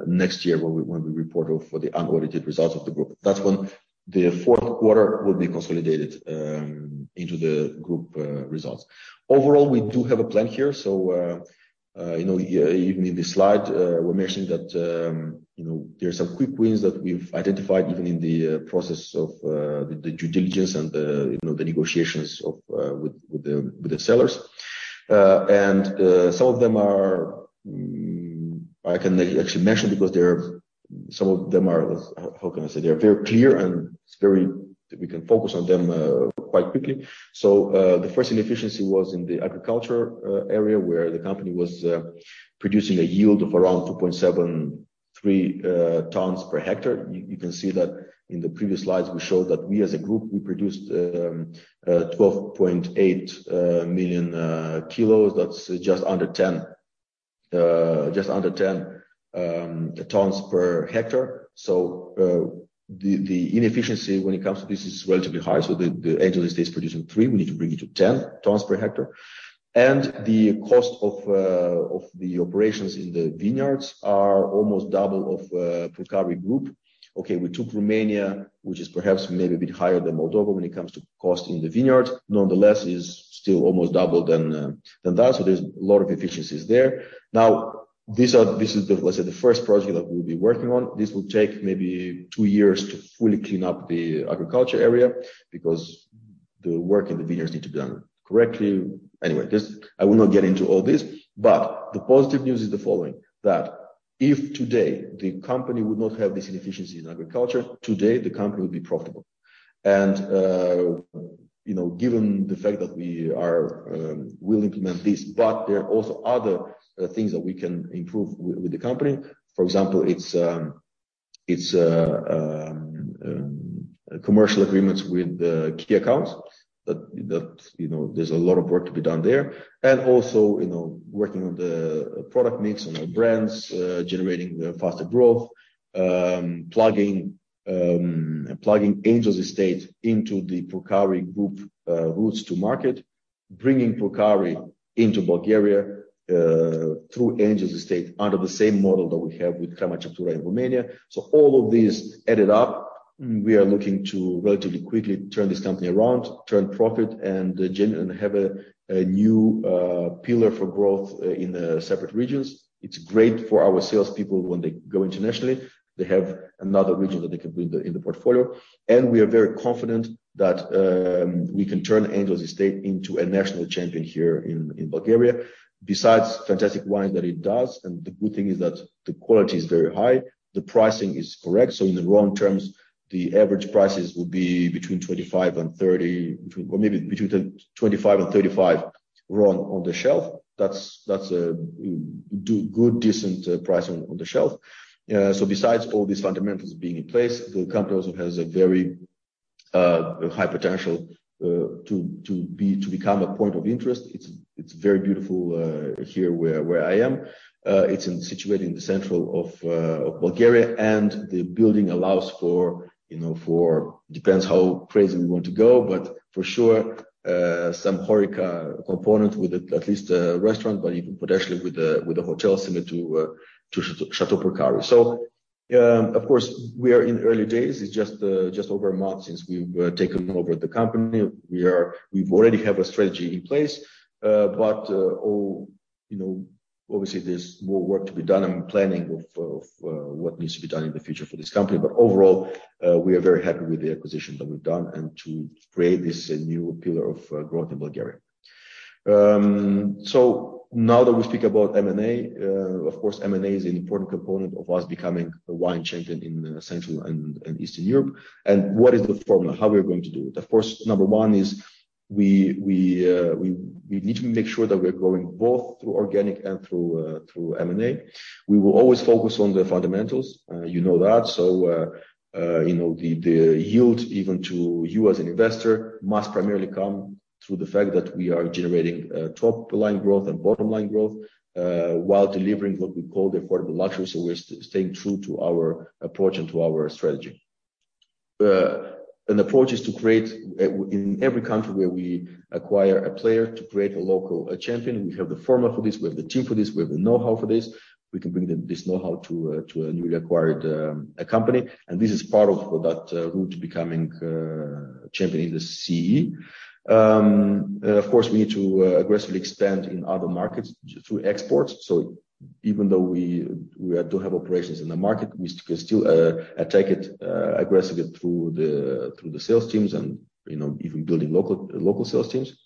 next year when we report for the unaudited results of the group. That's when the fourth quarter will be consolidated into the group results. Overall, we do have a plan here. You know, even in this slide, we're mentioning that, you know, there's some quick wins that we've identified even in the process of the due diligence and the negotiations with the sellers. And some of them are. I can actually mention because they're some of them are, how can I say? They're very clear, and it's very we can focus on them quite quickly. The first inefficiency was in the agriculture area, where the company was producing a yield of around 2.73 tons per hectare. You can see that in the previous slides, we showed that we as a group, we produced 12.8 million kilos. That's just under 10 tons per hectare. The inefficiency when it comes to this is relatively high. The Angel's Estate is producing 3, we need to bring it to 10 tons per hectare. The cost of the operations in the vineyards are almost double of Purcari Group. Okay, we took Romania, which is perhaps maybe a bit higher than Moldova when it comes to cost in the vineyard. Nonetheless, is still almost double than that. So there's a lot of efficiencies there. Now, this is the, let's say, the first project that we'll be working on. This will take maybe two years to fully clean up the agriculture area because the work in the vineyards need to be done correctly. Anyway, just I will not get into all this, but the positive news is the following, that if today the company would not have this inefficiency in agriculture, today the company would be profitable. You know, given the fact that we are will implement this, but there are also other things that we can improve with the company. For example, it's commercial agreements with the key accounts that you know, there's a lot of work to be done there. Also, you know, working on the product mix on our brands, generating faster growth, plugging Angel's Estate into the Purcari Group, routes to market. Bringing Purcari into Bulgaria, through Angel's Estate under the same model that we have with Crama Ceptura in Romania. All of these added up, we are looking to relatively quickly turn this company around, turn profit and have a new pillar for growth in the separate regions. It's great for our salespeople when they go internationally. They have another region that they can bring them in the portfolio. We are very confident that we can turn Angel's Estate into a national champion here in Bulgaria. Besides fantastic wine that it does, and the good thing is that the quality is very high. The pricing is correct. In RON terms, the average prices will be between 25 and 30, or maybe between 25 and 35 RON on the shelf. That's a good, decent price on the shelf. Besides all these fundamentals being in place, the company also has a very high potential to become a point of interest. It's very beautiful here where I am. It's situated in the center of Bulgaria, and the building allows for, you know, it depends how crazy we want to go, but for sure, some HORECA component with it, at least a restaurant, but even potentially with a hotel similar to Château Purcari. Of course, we are in early days. It's just over a month since we've taken over the company. We've already have a strategy in place. You know, obviously there's more work to be done and planning of what needs to be done in the future for this company. Overall, we are very happy with the acquisition that we've done and to create this new pillar of growth in Bulgaria. Now that we speak about M&A, of course, M&A is an important component of us becoming a wine champion in Central and Eastern Europe. What is the formula? How we're going to do it? Of course, number one is we need to make sure that we're growing both through organic and through M&A. We will always focus on the fundamentals. You know that. You know, the yield even to you as an investor must primarily come through the fact that we are generating top-line growth and bottom-line growth while delivering what we call the affordable luxury. We're staying true to our approach and to our strategy. An approach is to create in every country where we acquire a player to create a local champion. We have the formula for this. We have the team for this. We have the know-how for this. We can bring this know-how to a newly acquired company. This is part of that route to becoming a champion in the CEE. Of course, we need to aggressively expand in other markets through exports. Even though we do have operations in the market, we can still attack it aggressively through the sales teams and, you know, even building local sales teams.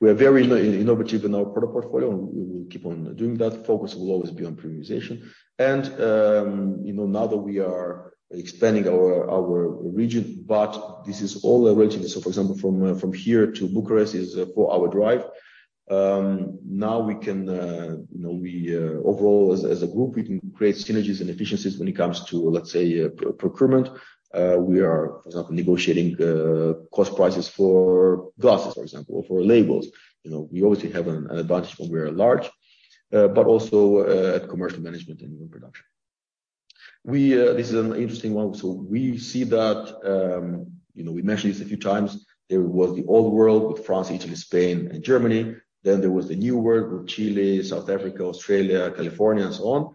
We are very innovative in our product portfolio, and we will keep on doing that. Focus will always be on premiumization. You know, now that we are expanding our region, but this is all relatively. For example, from here to Bucharest is a four-hour drive. Now we can, you know, overall as a group, we can create synergies and efficiencies when it comes to, let's say, procurement. We are, for example, negotiating cost prices for glasses, for example, or for labels. You know, we obviously have an advantage when we are large, but also at commercial management and production. This is an interesting one. We see that, you know, we mentioned this a few times. There was the Old World with France, Italy, Spain and Germany. Then there was the New World with Chile, South Africa, Australia, California and so on.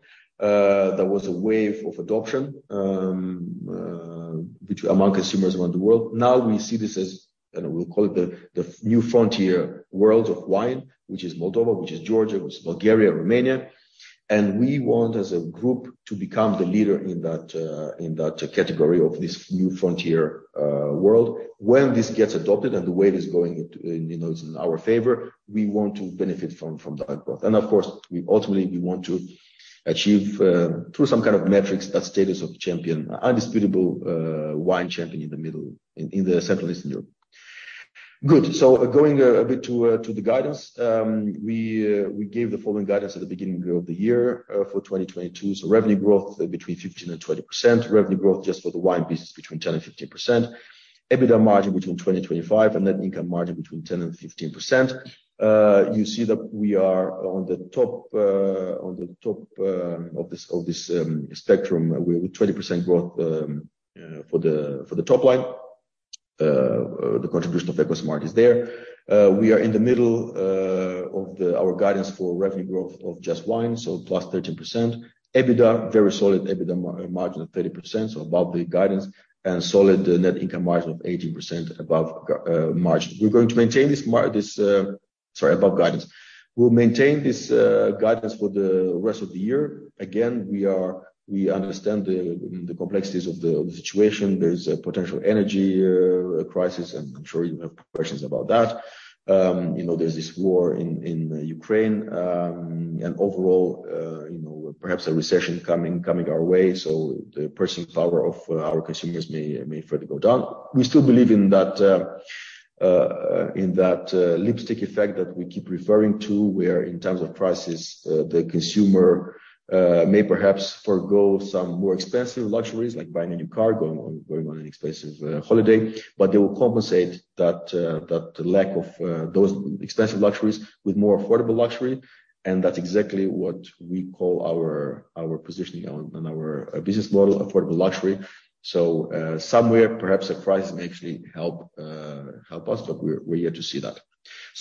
There was a wave of adoption which among consumers around the world. Now we see this as, and we'll call it the New Frontier world of wine, which is Moldova, which is Georgia, which is Bulgaria, Romania. We want, as a group, to become the leader in that, in that category of this New Frontier world. When this gets adopted and the way it is going, you know, it's in our favor, we want to benefit from that growth. Of course, we ultimately want to achieve, through some kind of metrics, that status of champion, undisputable, wine champion in the Central and Eastern Europe. Good. Going a bit to the guidance. We gave the following guidance at the beginning of the year, for 2022. Revenue growth between 15% and 20%. Revenue growth just for the wine business between 10%-15%. EBITDA margin between 20%-25%, and net income margin between 10%-15%. You see that we are on the top of this spectrum with 20% growth for the top line. The contribution of EcoSmart is there. We are in the middle of our guidance for revenue growth of just wine, so +13%. EBITDA, very solid EBITDA margin of 30%, so above the guidance. Solid net income margin of 18% above guidance. We're going to maintain this guidance for the rest of the year. Again, we understand the complexities of the situation. There is a potential energy crisis, and I'm sure you have questions about that. You know, there's this war in Ukraine. Overall, you know, perhaps a recession coming our way. The personal power of our consumers may further go down. We still believe in that lipstick effect that we keep referring to, where in terms of prices, the consumer may perhaps forego some more expensive luxuries like buying a new car, going on an expensive holiday, but they will compensate that lack of those expensive luxuries with more affordable luxury. That's exactly what we call our positioning on and our business model, affordable luxury. Somewhere, perhaps a crisis may actually help us, but we're yet to see that.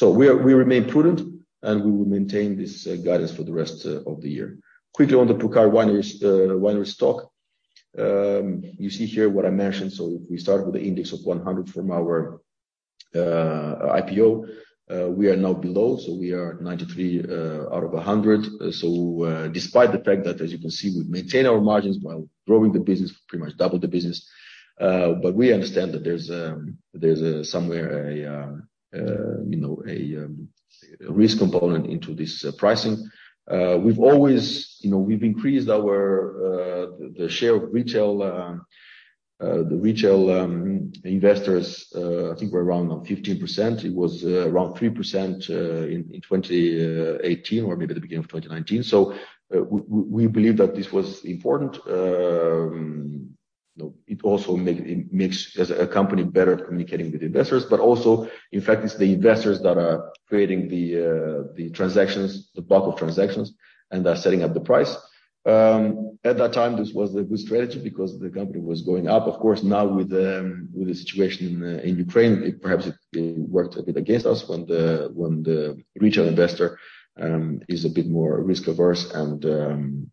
We remain prudent, and we will maintain this guidance for the rest of the year. Quickly on the Purcari Wineries' stock. You see here what I mentioned. We started with the index of 100 from our IPO. We are now below, so we are 93 out of a 100. Despite the fact that, as you can see, we've maintained our margins while growing the business, pretty much doubled the business, but we understand that there's somewhere, you know, a risk component into this pricing. We've always, you know, we've increased our the share of retail investors. I think we're around 15%. It was around 3% in 2018 or maybe the beginning of 2019. We believe that this was important. You know, it makes as a company better communicating with investors, but also, in fact, it's the investors that are creating the transactions, the bulk of transactions, and are setting up the price. At that time, this was a good strategy because the company was going up. Of course, now with the situation in Ukraine, it perhaps worked a bit against us when the retail investor is a bit more risk-averse and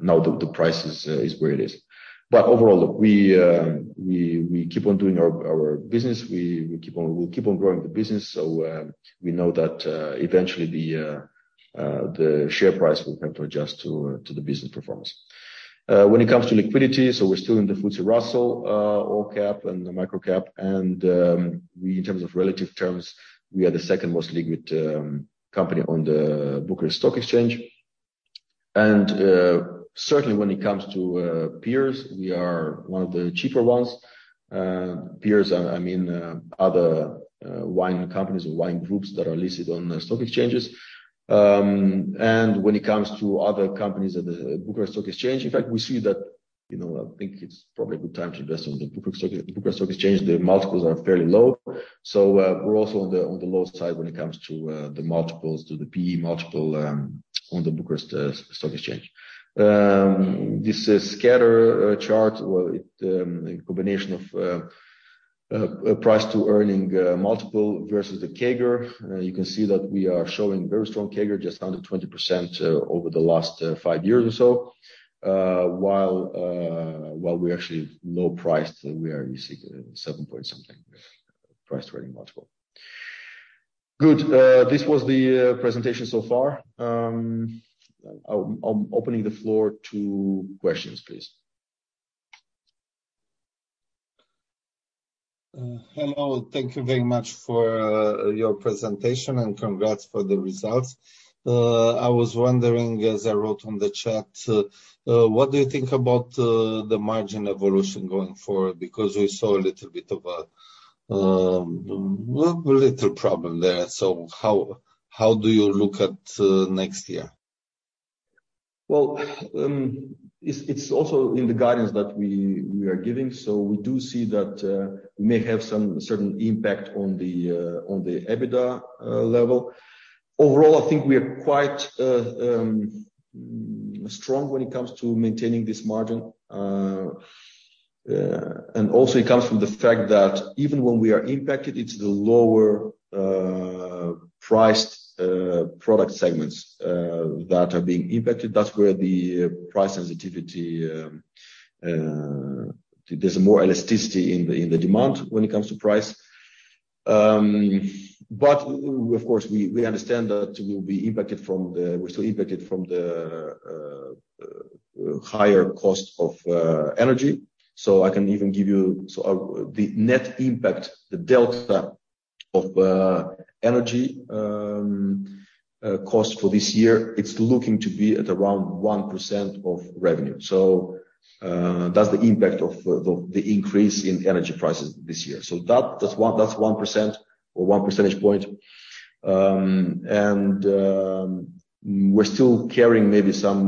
now the price is where it is. Overall, look, we keep on doing our business. We keep on growing the business. We know that eventually the share price will have to adjust to the business performance. When it comes to liquidity, we're still in the FTSE Russell All Cap and the Micro Cap. In terms of relative terms, we are the second most liquid company on the Bucharest Stock Exchange. Certainly when it comes to peers, we are one of the cheaper ones. Peers, I mean other wine companies or wine groups that are listed on the stock exchanges. When it comes to other companies at the Bucharest Stock Exchange, in fact, we see that, you know, I think it's probably a good time to invest on the Bucharest Stock Exchange. The multiples are fairly low. We're also on the low side when it comes to the multiples, to the P/E multiple, on the Bucharest Stock Exchange. This scatter chart, well, it's a combination of price to earnings multiple versus the CAGR. You can see that we are showing very strong CAGR, just under 20%, over the last five years or so, while we're actually low-priced. We are 7-something P/E multiple. Good. This was the presentation so far. I'm opening the floor to questions, please. Hello. Thank you very much for your presentation, and congrats for the results. I was wondering, as I wrote on the chat, what do you think about the margin evolution going forward? Because we saw a little bit of a, well, a little problem there. How do you look at next year? It's also in the guidance that we are giving, so we do see that we may have some certain impact on the EBITDA level. Overall, I think we are quite strong when it comes to maintaining this margin. It also comes from the fact that even when we are impacted, it's the lower priced product segments that are being impacted. That's where the price sensitivity, there's more elasticity in the demand when it comes to price. We understand that we're still impacted from the higher cost of energy. I can even give you. The net impact, the delta of energy cost for this year, it's looking to be at around 1% of revenue. That's the impact of the increase in energy prices this year. That's one percent or one percentage point. We're still carrying maybe some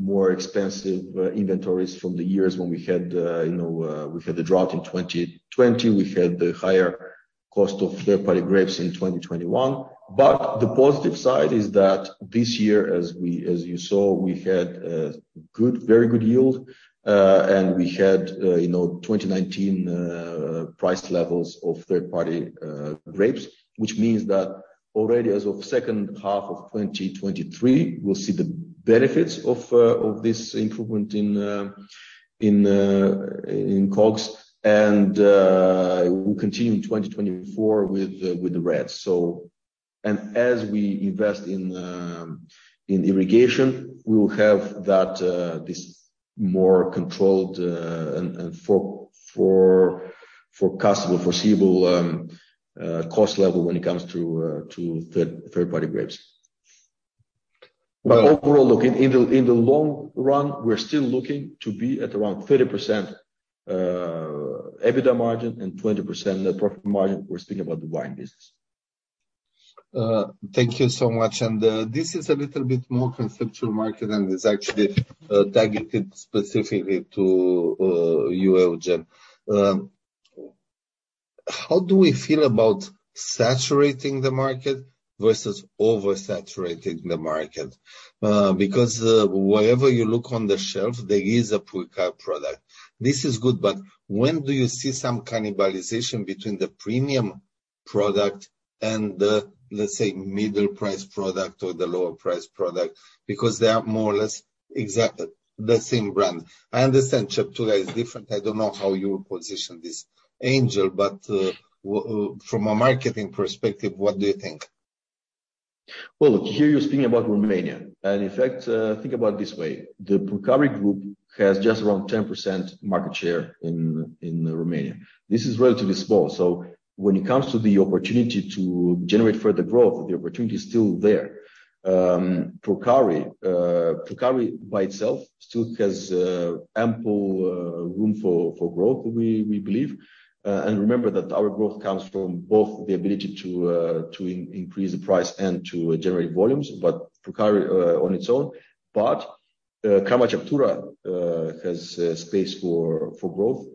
more expensive inventories from the years when we had the drought in 2020, we had the higher cost of third-party grapes in 2021. The positive side is that this year, as you saw, we had a very good yield, and we had, you know, 2019 price levels of third-party grapes, which means that already as of second half of 2023, we'll see the benefits of this improvement in the COGS. We'll continue in 2024 with the reds. As we invest in irrigation, we will have that this more controlled and foreseeable cost level when it comes to third-party grapes. Overall, look, in the long run, we're still looking to be at around 30% EBITDA margin and 20% net profit margin, we're speaking about the wine business. Thank you so much. This is a little bit more conceptual market and is actually targeted specifically to you, Eugen. How do we feel about saturating the market versus oversaturating the market? Because wherever you look on the shelf, there is a Purcari product. This is good, but when do you see some cannibalization between the premium product and the, let's say, middle price product or the lower price product? Because they are more or less exactly the same brand. I understand Ceptura is different. I don't know how you position this Angel's, but from a marketing perspective, what do you think? Well, look, here you're speaking about Romania. In fact, think about it this way, the Purcari Group has just around 10% market share in Romania. This is relatively small. When it comes to the opportunity to generate further growth, the opportunity is still there. Purcari by itself still has ample room for growth, we believe. Remember that our growth comes from both the ability to increase the price and to generate volumes, but Purcari on its own. But Crama Ceptura has space for growth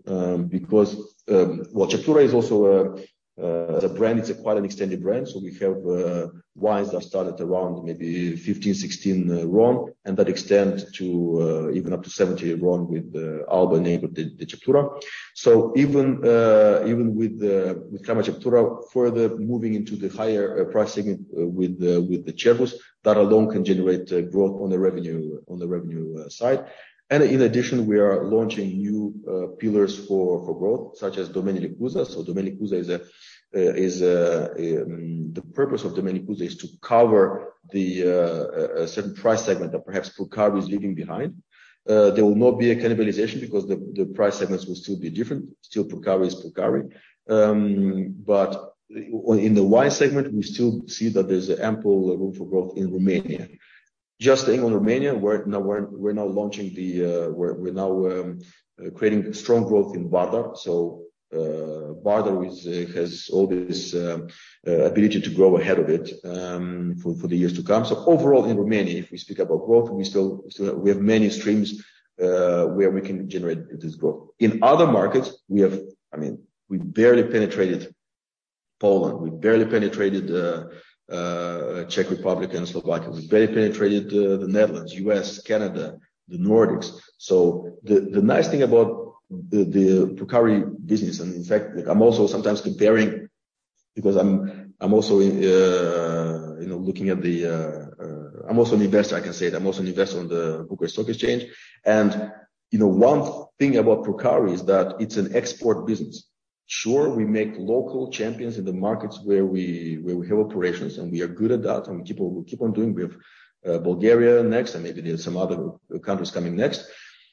because Well, Ceptura is also the brand is quite an extended brand. We have wines that start around maybe 15, 16 RON and that extend to even up to 70 RON with all the name of the Crama Ceptura. Even with the Crama Ceptura further moving into the higher pricing with the Cervus, that alone can generate growth on the revenue side. In addition, we are launching new pillars for growth, such as Domeniile Cuza. Domeniile Cuza is a. The purpose of Domeniile Cuza is to cover the certain price segment that perhaps Purcari is leaving behind. There will not be a cannibalization because the price segments will still be different. Still Purcari is Purcari. But in the wine segment, we still see that there's ample room for growth in Romania. Just staying on Romania, we're now creating strong growth in Bostavan. Bostavan has all this ability to grow ahead of it, for the years to come. Overall, in Romania, if we speak about growth, we still have many streams where we can generate this growth. In other markets, we have. I mean, we barely penetrated Poland, we barely penetrated Czech Republic and Slovakia. We barely penetrated the Netherlands, U.S., Canada, the Nordics. The nice thing about the Purcari business, and in fact, I'm also sometimes comparing because I'm also you know looking at the. I'm also an investor, I can say that. I'm also an investor on the Bucharest Stock Exchange. You know, one thing about Purcari is that it's an export business. Sure, we make local champions in the markets where we have operations, and we are good at that, and we keep on doing. We have Bulgaria next, and maybe there's some other countries coming next.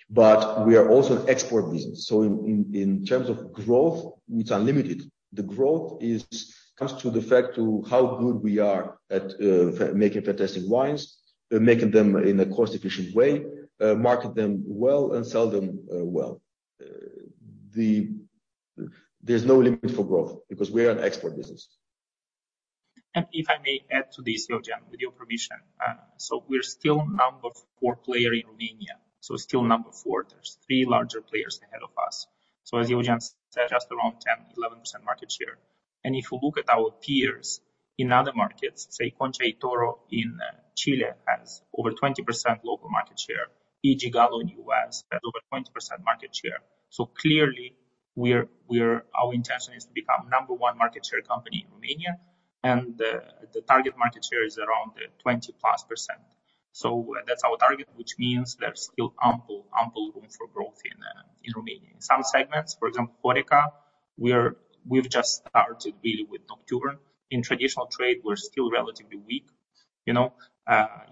We are also an export business. In terms of growth, it's unlimited. The growth comes down to the fact of how good we are at making fantastic wines, making them in a cost-efficient way, market them well and sell them well. There's no limit for growth because we are an export business. If I may add to this, Eugen, with your permission. We're still number four player in Romania. Still number four. There's three larger players ahead of us. As Eugen said, just around 10, 11% market share. If you look at our peers in other markets, say Concha y Toro in Chile has over 20% global market share. E. & J. Gallo in U.S. has over 20% market share. Clearly, our intention is to become number one market share company in Romania, and the target market share is around 20%+. That's our target, which means there's still ample room for growth in Romania. In some segments, for example, HORECA, we've just started really with October. In traditional trade, we're still relatively weak. You know,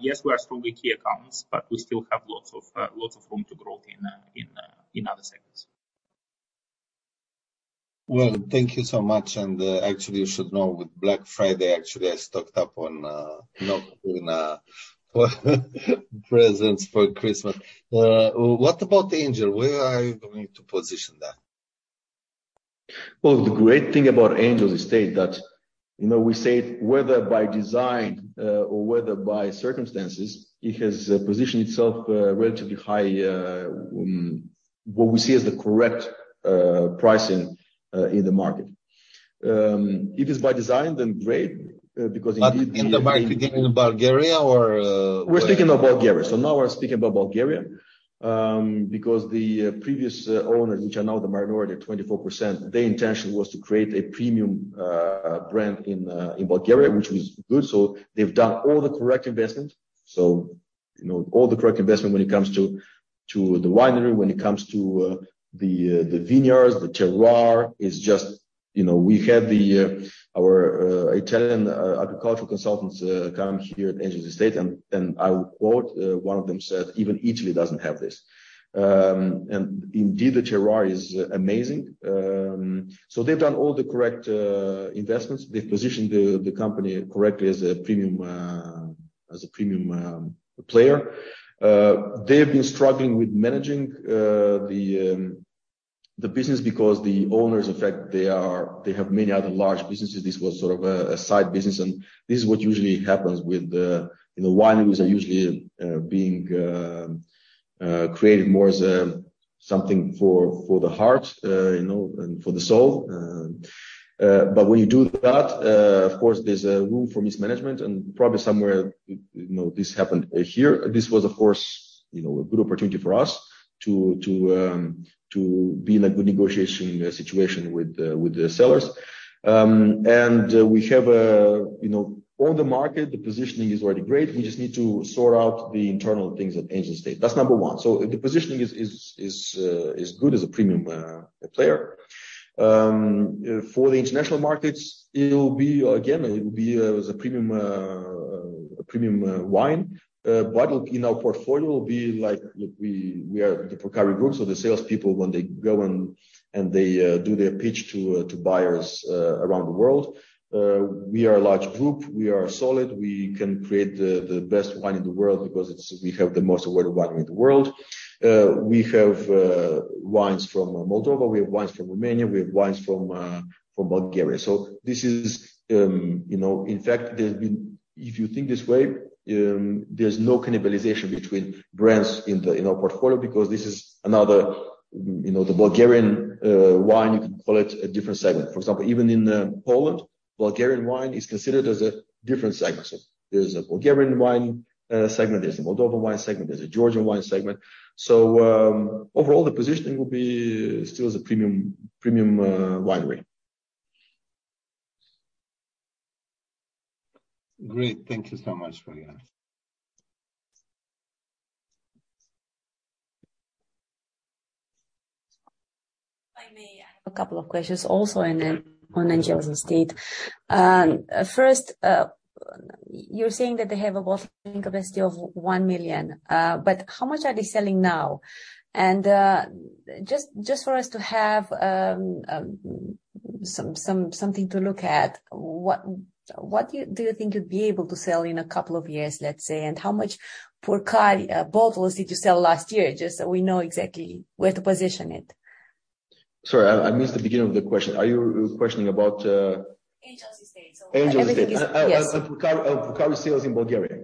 yes, we are strong with key accounts, but we still have lots of room to grow in other segments. Well, thank you so much. Actually, you should know with Black Friday, actually, I stocked up on presents for Christmas. What about Angel's? Where are you going to position that? Well, the great thing about Angel's Estate that, you know, we say whether by design, or whether by circumstances, it has positioned itself, relatively high, what we see as the correct, pricing, in the market. If it's by design, then great, because indeed- In the market you mean Bulgaria or, We're speaking of Bulgaria. Now we're speaking about Bulgaria, because the previous owners, which are now the minority, 24%, their intention was to create a premium brand in Bulgaria, which was good. They've done all the correct investment. You know, all the correct investment when it comes to the winery, when it comes to the vineyards. The terroir is just you know, we had our Italian agricultural consultants come here at Angel's Estate, and I'll quote one of them said, "Even Italy doesn't have this." And indeed, the terroir is amazing. They've done all the correct investments. They've positioned the company correctly as a premium player. They've been struggling with managing the business because the owners, in fact, they have many other large businesses. This was sort of a side business, and this is what usually happens with, you know, wineries are usually being created more as something for the heart, you know, and for the soul. When you do that, of course, there's room for mismanagement and probably somewhere, you know, this happened here. This was, of course, you know, a good opportunity for us to be in a good negotiation situation with the sellers. We have a, you know. On the market, the positioning is already great. We just need to sort out the internal things at Angel's Estate. That's number one. The positioning is good as a premium player. For the international markets, it'll be again as a premium wine. But in our portfolio, it will be like we are the Purcari Group, so the salespeople, when they go and they do their pitch to buyers around the world, we are a large group, we are solid, we can create the best wine in the world because we have the most award-winning wine in the world. We have wines from Moldova, we have wines from Romania, we have wines from Bulgaria. This is. In fact, there's been. If you think this way, there's no cannibalization between brands in our portfolio because this is another, you know, the Bulgarian wine, you can call it a different segment. For example, even in Poland, Bulgarian wine is considered as a different segment. There's a Bulgarian wine segment, there's a Moldova wine segment, there's a Georgian wine segment. Overall, the positioning will be still as a premium winery. Great. Thank you so much for that. If I may, I have a couple of questions also in on Angel's Estate. First, you're saying that they have a bottling capacity of 1 million, but how much are they selling now? Just for us to have something to look at, what do you think you'd be able to sell in a couple of years, let's say, and how much Purcari bottles did you sell last year? Just so we know exactly where to position it. Sorry, I missed the beginning of the question. Are you questioning about? Angel's Estate. Angel's Estate. Everything is. Yes. Purcari sales in Bulgaria.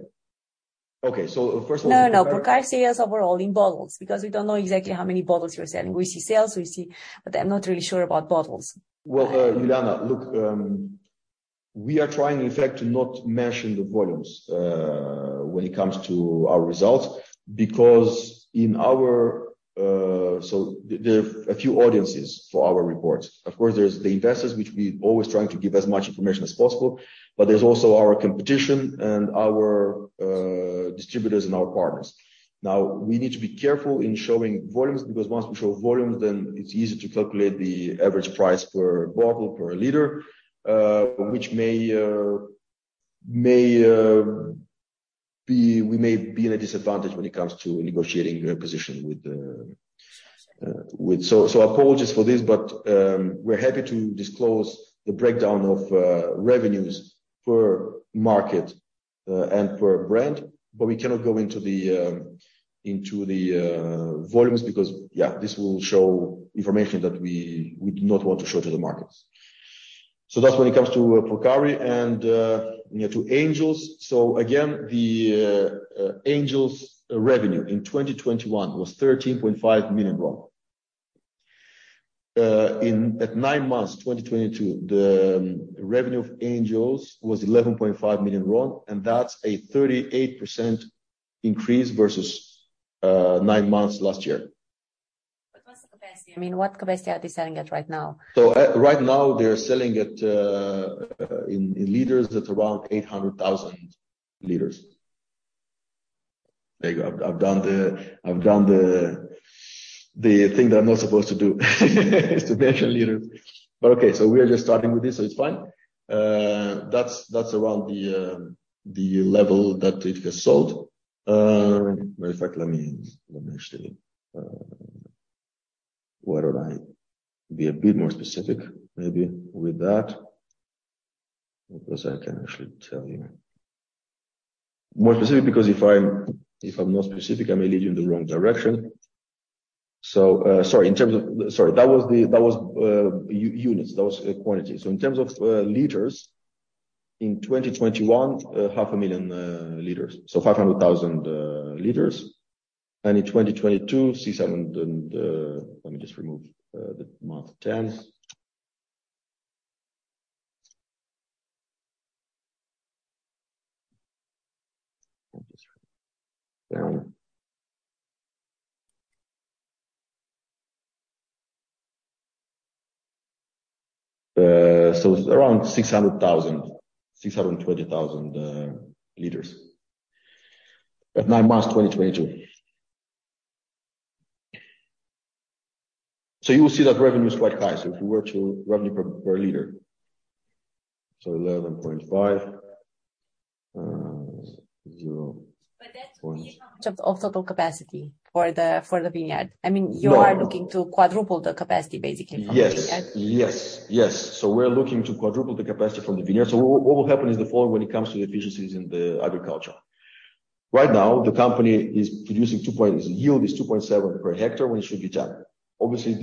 First of all. No, no. Purcari sales overall in bottles because we don't know exactly how many bottles you are selling. We see sales. But I'm not really sure about bottles. Well, Juliana, look, we are trying, in fact, to not mention the volumes when it comes to our results because in our there are a few audiences for our reports. Of course, there's the investors, which we always trying to give as much information as possible, but there's also our competition and our distributors and our partners. Now, we need to be careful in showing volumes because once we show volumes then it's easy to calculate the average price per bottle, per liter, which we may be in a disadvantage when it comes to negotiating your position with. Apologies for this, but we're happy to disclose the breakdown of revenues per market and per brand, but we cannot go into the volumes because this will show information that we would not want to show to the markets. That's when it comes to Purcari and, you know, to Angel's. Again, the Angel's revenue in 2021 was RON 13.5 million. At nine months, 2022, the revenue of Angel's was RON 11.5 million, and that's a 38% increase versus nine months last year. What's the capacity? I mean, what capacity are they selling at right now? Right now they're selling at, in liters, at around 800,000 liters. There you go. I've done the thing that I'm not supposed to do, which is to mention liters. Okay, we are just starting with this, so it's fine. That's around the level that it has sold. Matter of fact, let me actually, why don't I be a bit more specific maybe with that. Because I can actually tell you. More specific, because if I'm not specific, I may lead you in the wrong direction. Sorry, in terms of. Sorry, that was the units, that was quantity. In terms of liters, in 2021, half a million liters, so 500,000 liters. In 2022, around 620,000 liters at 9 months, 2022. You will see that revenue is quite high. If you were to revenue per liter, RON 11.5, 0. point- That's the capacity of total capacity for the vineyard. I mean No. You are looking to quadruple the capacity basically from the vineyard. Yes. We're looking to quadruple the capacity from the vineyard. What will happen is the following when it comes to the efficiencies in the agriculture. Right now, the company is producing 2.7. Its yield is 2.7 per hectare when it should be 10. Obviously,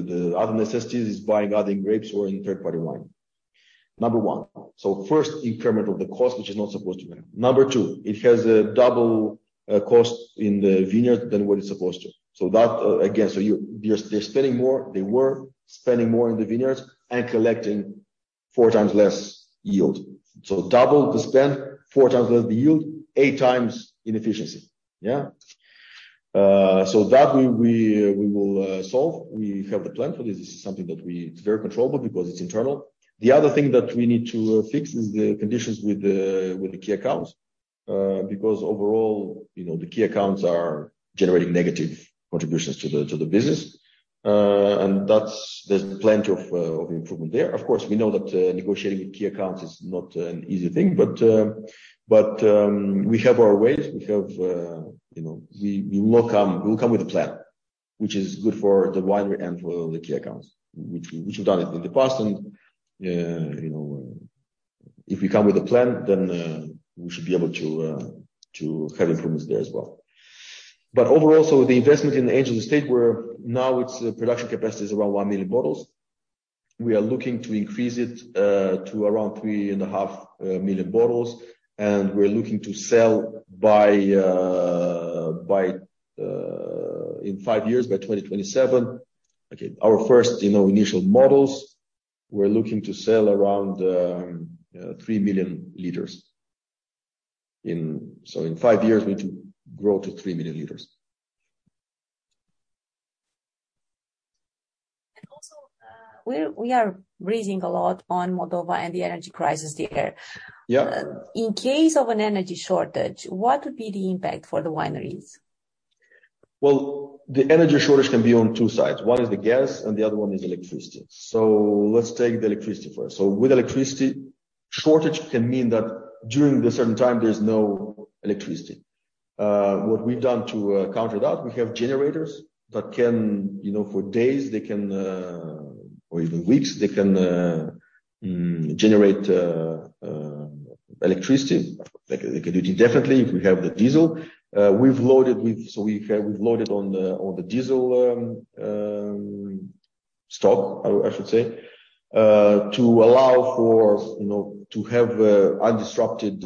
the other necessities is buying, adding grapes or in third-party wine. Number one. First increment of the cost, which is not supposed to happen. Number two, it has a double cost in the vineyard than what it's supposed to. That, again, they're spending more. They were spending more in the vineyards and collecting 4 times less yield. Double the spend, 4 times less the yield, 8 times inefficiency. We will solve. We have the plan for this. This is something that we. It's very controllable because it's internal. The other thing that we need to fix is the conditions with the key accounts. Because overall, you know, the key accounts are generating negative contributions to the business. That's. There's plenty of improvement there. Of course, we know that negotiating with key accounts is not an easy thing. We have our ways. We have, you know, we will come with a plan which is good for the winery and for the key accounts, which we've done it in the past and, you know, if we come with a plan, then we should be able to have improvements there as well. Overall, the investment in the Angel's Estate, where now its production capacity is around 1 million bottles, we are looking to increase it to around 3.5 million bottles. We're looking to sell by in 5 years, by 2027. Okay. Our first, you know, initial models, we're looking to sell around 3 million liters in 5 years. We need to grow to 3 million liters. We are reading a lot on Moldova and the energy crisis there. Yeah. In case of an energy shortage, what would be the impact for the wineries? Well, the energy shortage can be on two sides. One is the gas and the other one is electricity. Let's take the electricity first. With electricity, shortage can mean that during the certain time there's no electricity. What we've done to counter that, we have generators that can, you know, for days, they can, or even weeks, they can, generate electricity. Like they can do it indefinitely if we have the diesel. We've loaded with. We have-- we've loaded on the, on the diesel, stock, I should say, to allow for, you know, to have undisrupted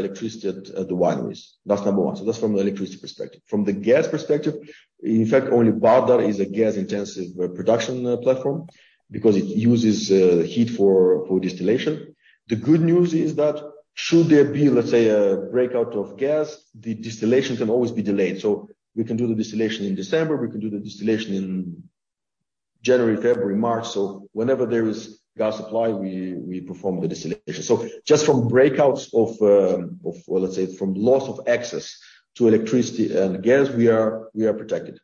electricity at the wineries. That's number one. That's from the electricity perspective. From the gas perspective, in fact, only Bardar is a gas-intensive production platform because it uses heat for distillation. The good news is that should there be, let's say, a breakout of gas, the distillation can always be delayed. We can do the distillation in December, we can do the distillation in January, February, March. Whenever there is gas supply, we perform the distillation. Just from breakouts of, well, let's say from loss of access to electricity and gas, we are protected.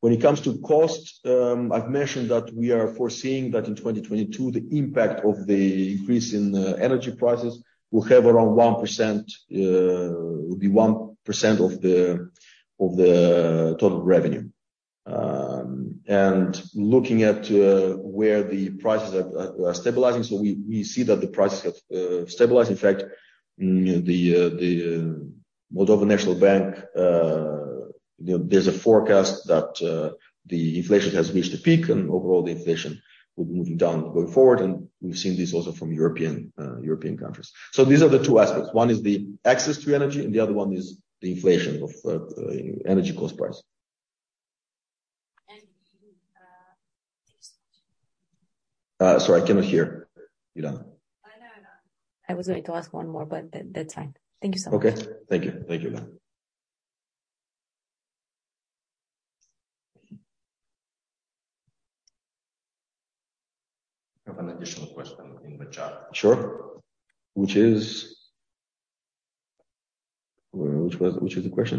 When it comes to cost, I've mentioned that we are foreseeing that in 2022, the impact of the increase in energy prices will have around 1%, will be 1% of the total revenue. Looking at where the prices are stabilizing, we see that the prices have stabilized. In fact, the National Bank of Moldova, you know, there's a forecast that the inflation has reached a peak and overall the inflation will be moving down going forward. We've seen this also from European countries. These are the two aspects. One is the access to energy and the other one is the inflation of energy cost price. Thank you so much. Sorry, I cannot hear you, Dana. I know. I was going to ask one more, but that's fine. Thank you so much. Okay. Thank you. Thank you, Dana. We have an additional question in the chat. Sure. Which is? Which was the question?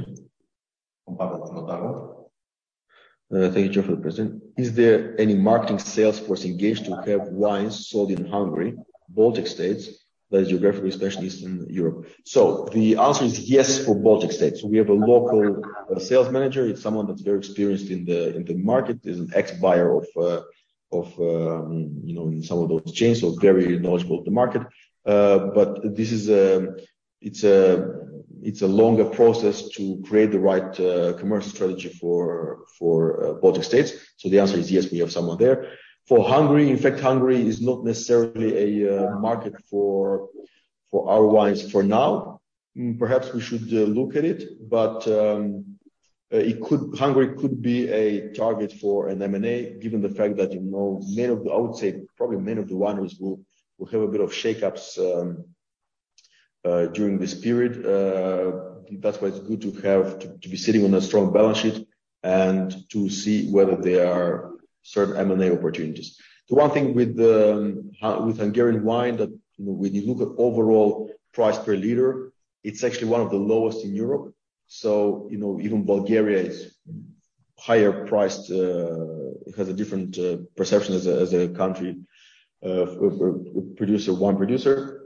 From Pavel Filatov Thank you, Pavel, for the question. Is there any marketing sales force engaged to have wines sold in Hungary, Baltic States that is geographically specialist in Europe? The answer is yes for Baltic States. We have a local sales manager. It's someone that's very experienced in the market, is an ex-buyer of you know, some of those chains, so very knowledgeable of the market. This is a longer process to create the right commercial strategy for Baltic States. The answer is yes, we have someone there. For Hungary, in fact, Hungary is not necessarily a market for our wines for now. Perhaps we should look at it, but Hungary could be a target for an M&A, given the fact that, you know, many of the, I would say, probably many of the wineries will have a bit of shakeups during this period. That's why it's good to be sitting on a strong balance sheet and to see whether there are certain M&A opportunities. The one thing with the Hungarian wine that, you know, when you look at overall price per liter, it's actually one of the lowest in Europe. So, you know, even Bulgaria is higher priced. It has a different perception as a country, wine producer.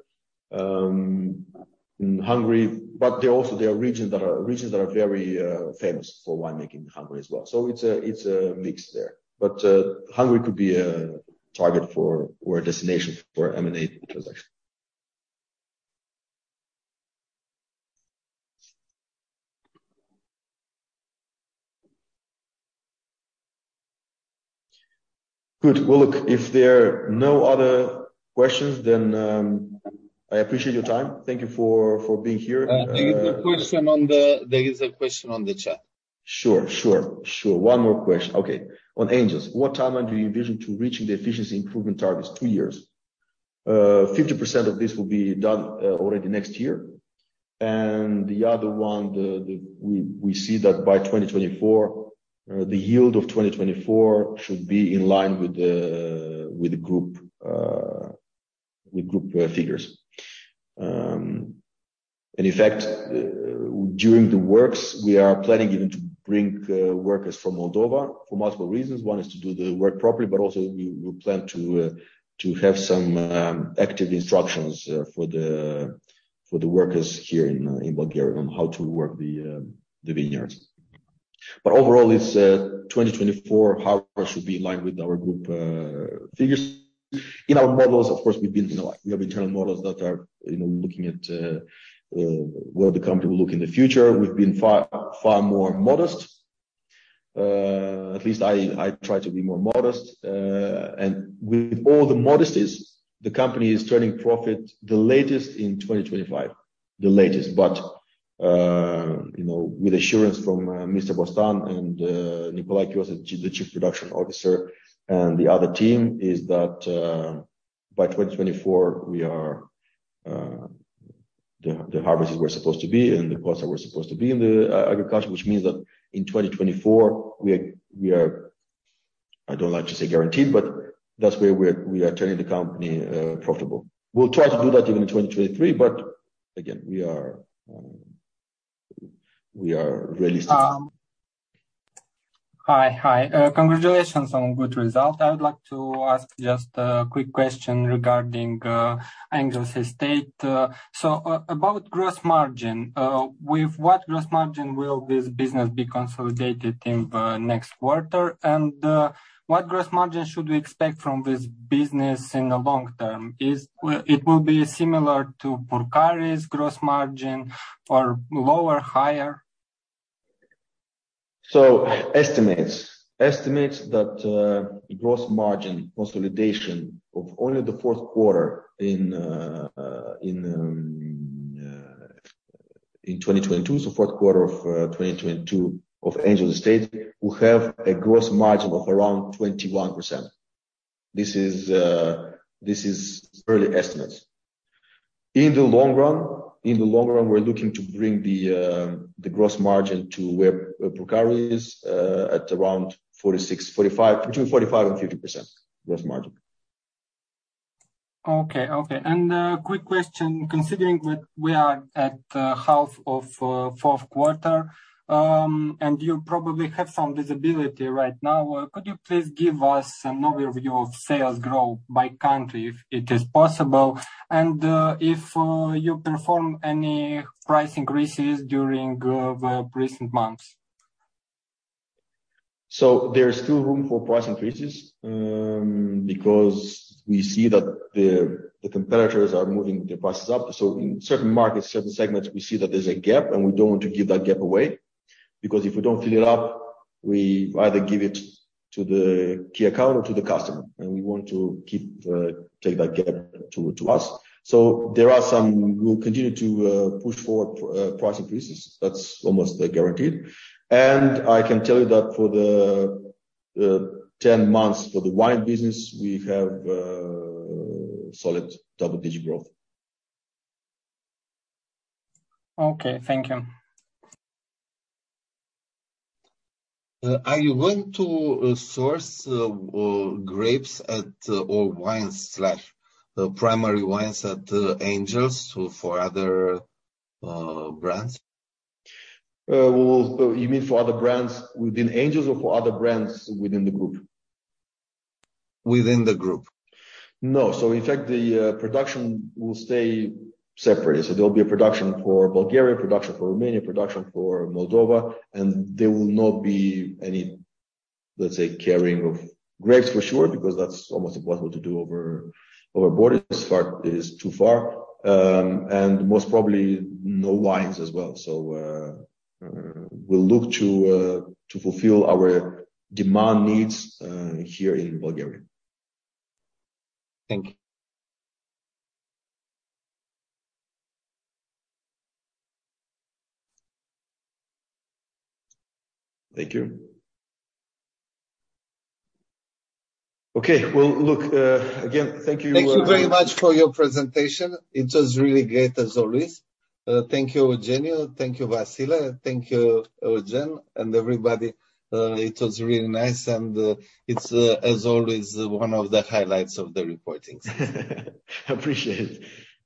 Hungary, there are regions that are very famous for wine making in Hungary as well. It's a mix there. Hungary could be a target or a destination for M&A transaction. Good. Well, look, if there are no other questions, I appreciate your time. Thank you for being here. There is a question on the chat. Sure. One more question. Okay. On Angel's, what timeline do you envision to reaching the efficiency improvement targets? 2 years. 50% of this will be done already next year. The other one. We see that by 2024, the yield of 2024 should be in line with the group figures. In fact, during the works, we are planning even to bring workers from Moldova for multiple reasons. One is to do the work properly, but also we plan to have some active instructions for the workers here in Bulgaria on how to work the vineyards. Overall, it's 2024 harvest should be in line with our group figures. In our models, of course, we've been, you know, like we have internal models that are, you know, looking at, where the company will look in the future. We've been far more modest. At least I try to be more modest. With all the modesties, the company is turning profit the latest in 2025. The latest. You know, with assurance from, Victor Bostan and, Nicolae Chiosa, the Chief Production Officer and the other team, is that, by 2024, we are, the harvest is where it's supposed to be and the costs are where it's supposed to be in the agriculture. Which means that in 2024, we are, I don't like to say guaranteed, but that's where we are, we are turning the company, profitable. We'll try to do that even in 2023, but again, we are realistic. Hi. Congratulations on good result. I would like to ask just a quick question regarding Angel's Estate. So about gross margin. With what gross margin will this business be consolidated in the next quarter? And what gross margin should we expect from this business in the long term? Will it be similar to Purcari's gross margin or lower, higher? Estimates that gross margin consolidation of only the fourth quarter in 2022. Fourth quarter of 2022 of Angel's Estate will have a gross margin of around 21%. This is early estimates. In the long run, we're looking to bring the gross margin to where Purcari is at around 46, 45 between 45% and 50% gross margin. Okay. A quick question. Considering that we are at half of fourth quarter, and you probably have some visibility right now, could you please give us an overview of sales growth by country, if it is possible? If you performed any price increases during the recent months? There is still room for price increases, because we see that the competitors are moving their prices up. In certain markets, certain segments, we see that there's a gap and we don't want to give that gap away. Because if we don't fill it up, we either give it to the key account or to the customer, and we want to take that gap to us. We'll continue to push for price increases. That's almost guaranteed. I can tell you that for the 10 months for the wine business, we have solid double-digit growth. Okay. Thank you. Are you going to source grapes or wine, the primary wines at Angel's for other- Brands. Well, you mean for other brands within Angel's or for other brands within the group? Within the group. No. In fact, the production will stay separate. There'll be a production for Bulgaria, production for Romania, production for Moldova, and there will not be any, let's say, carrying of grapes for sure, because that's almost impossible to do over border. It is too far. And most probably no wines as well. We'll look to fulfill our demand needs here in Bulgaria. Thank you. Thank you. Okay. Well, look, again, thank you. Thank you very much for your presentation. It was really great as always. Thank you, Eugeniu. Thank you, Vasile. Thank you, Eugen and everybody. It was really nice and, it's, as always one of the highlights of the reporting.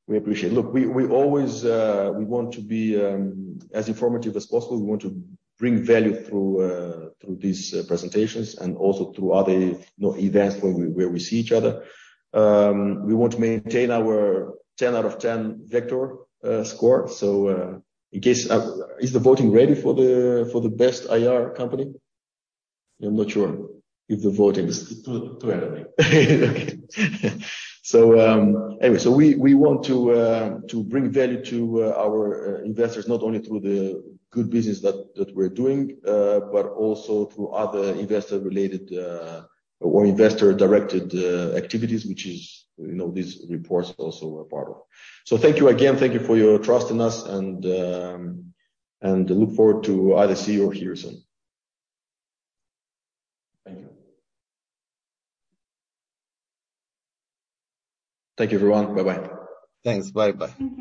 We appreciate. Look, we always want to be as informative as possible. We want to bring value through these presentations and also through other events where we see each other. We want to maintain our 10 out of 10 Vector score. Is the voting ready for the best IR company? I'm not sure if the voting is- It's too early. We want to bring value to our investors, not only through the good business that we're doing, but also through other investor related or investor-directed activities, which is, you know, these reports also are part of. Thank you again. Thank you for your trust in us and look forward to either see you or hear you soon. Thank you. Thank you, everyone. Bye-bye. Thanks. Bye-bye. Thank you.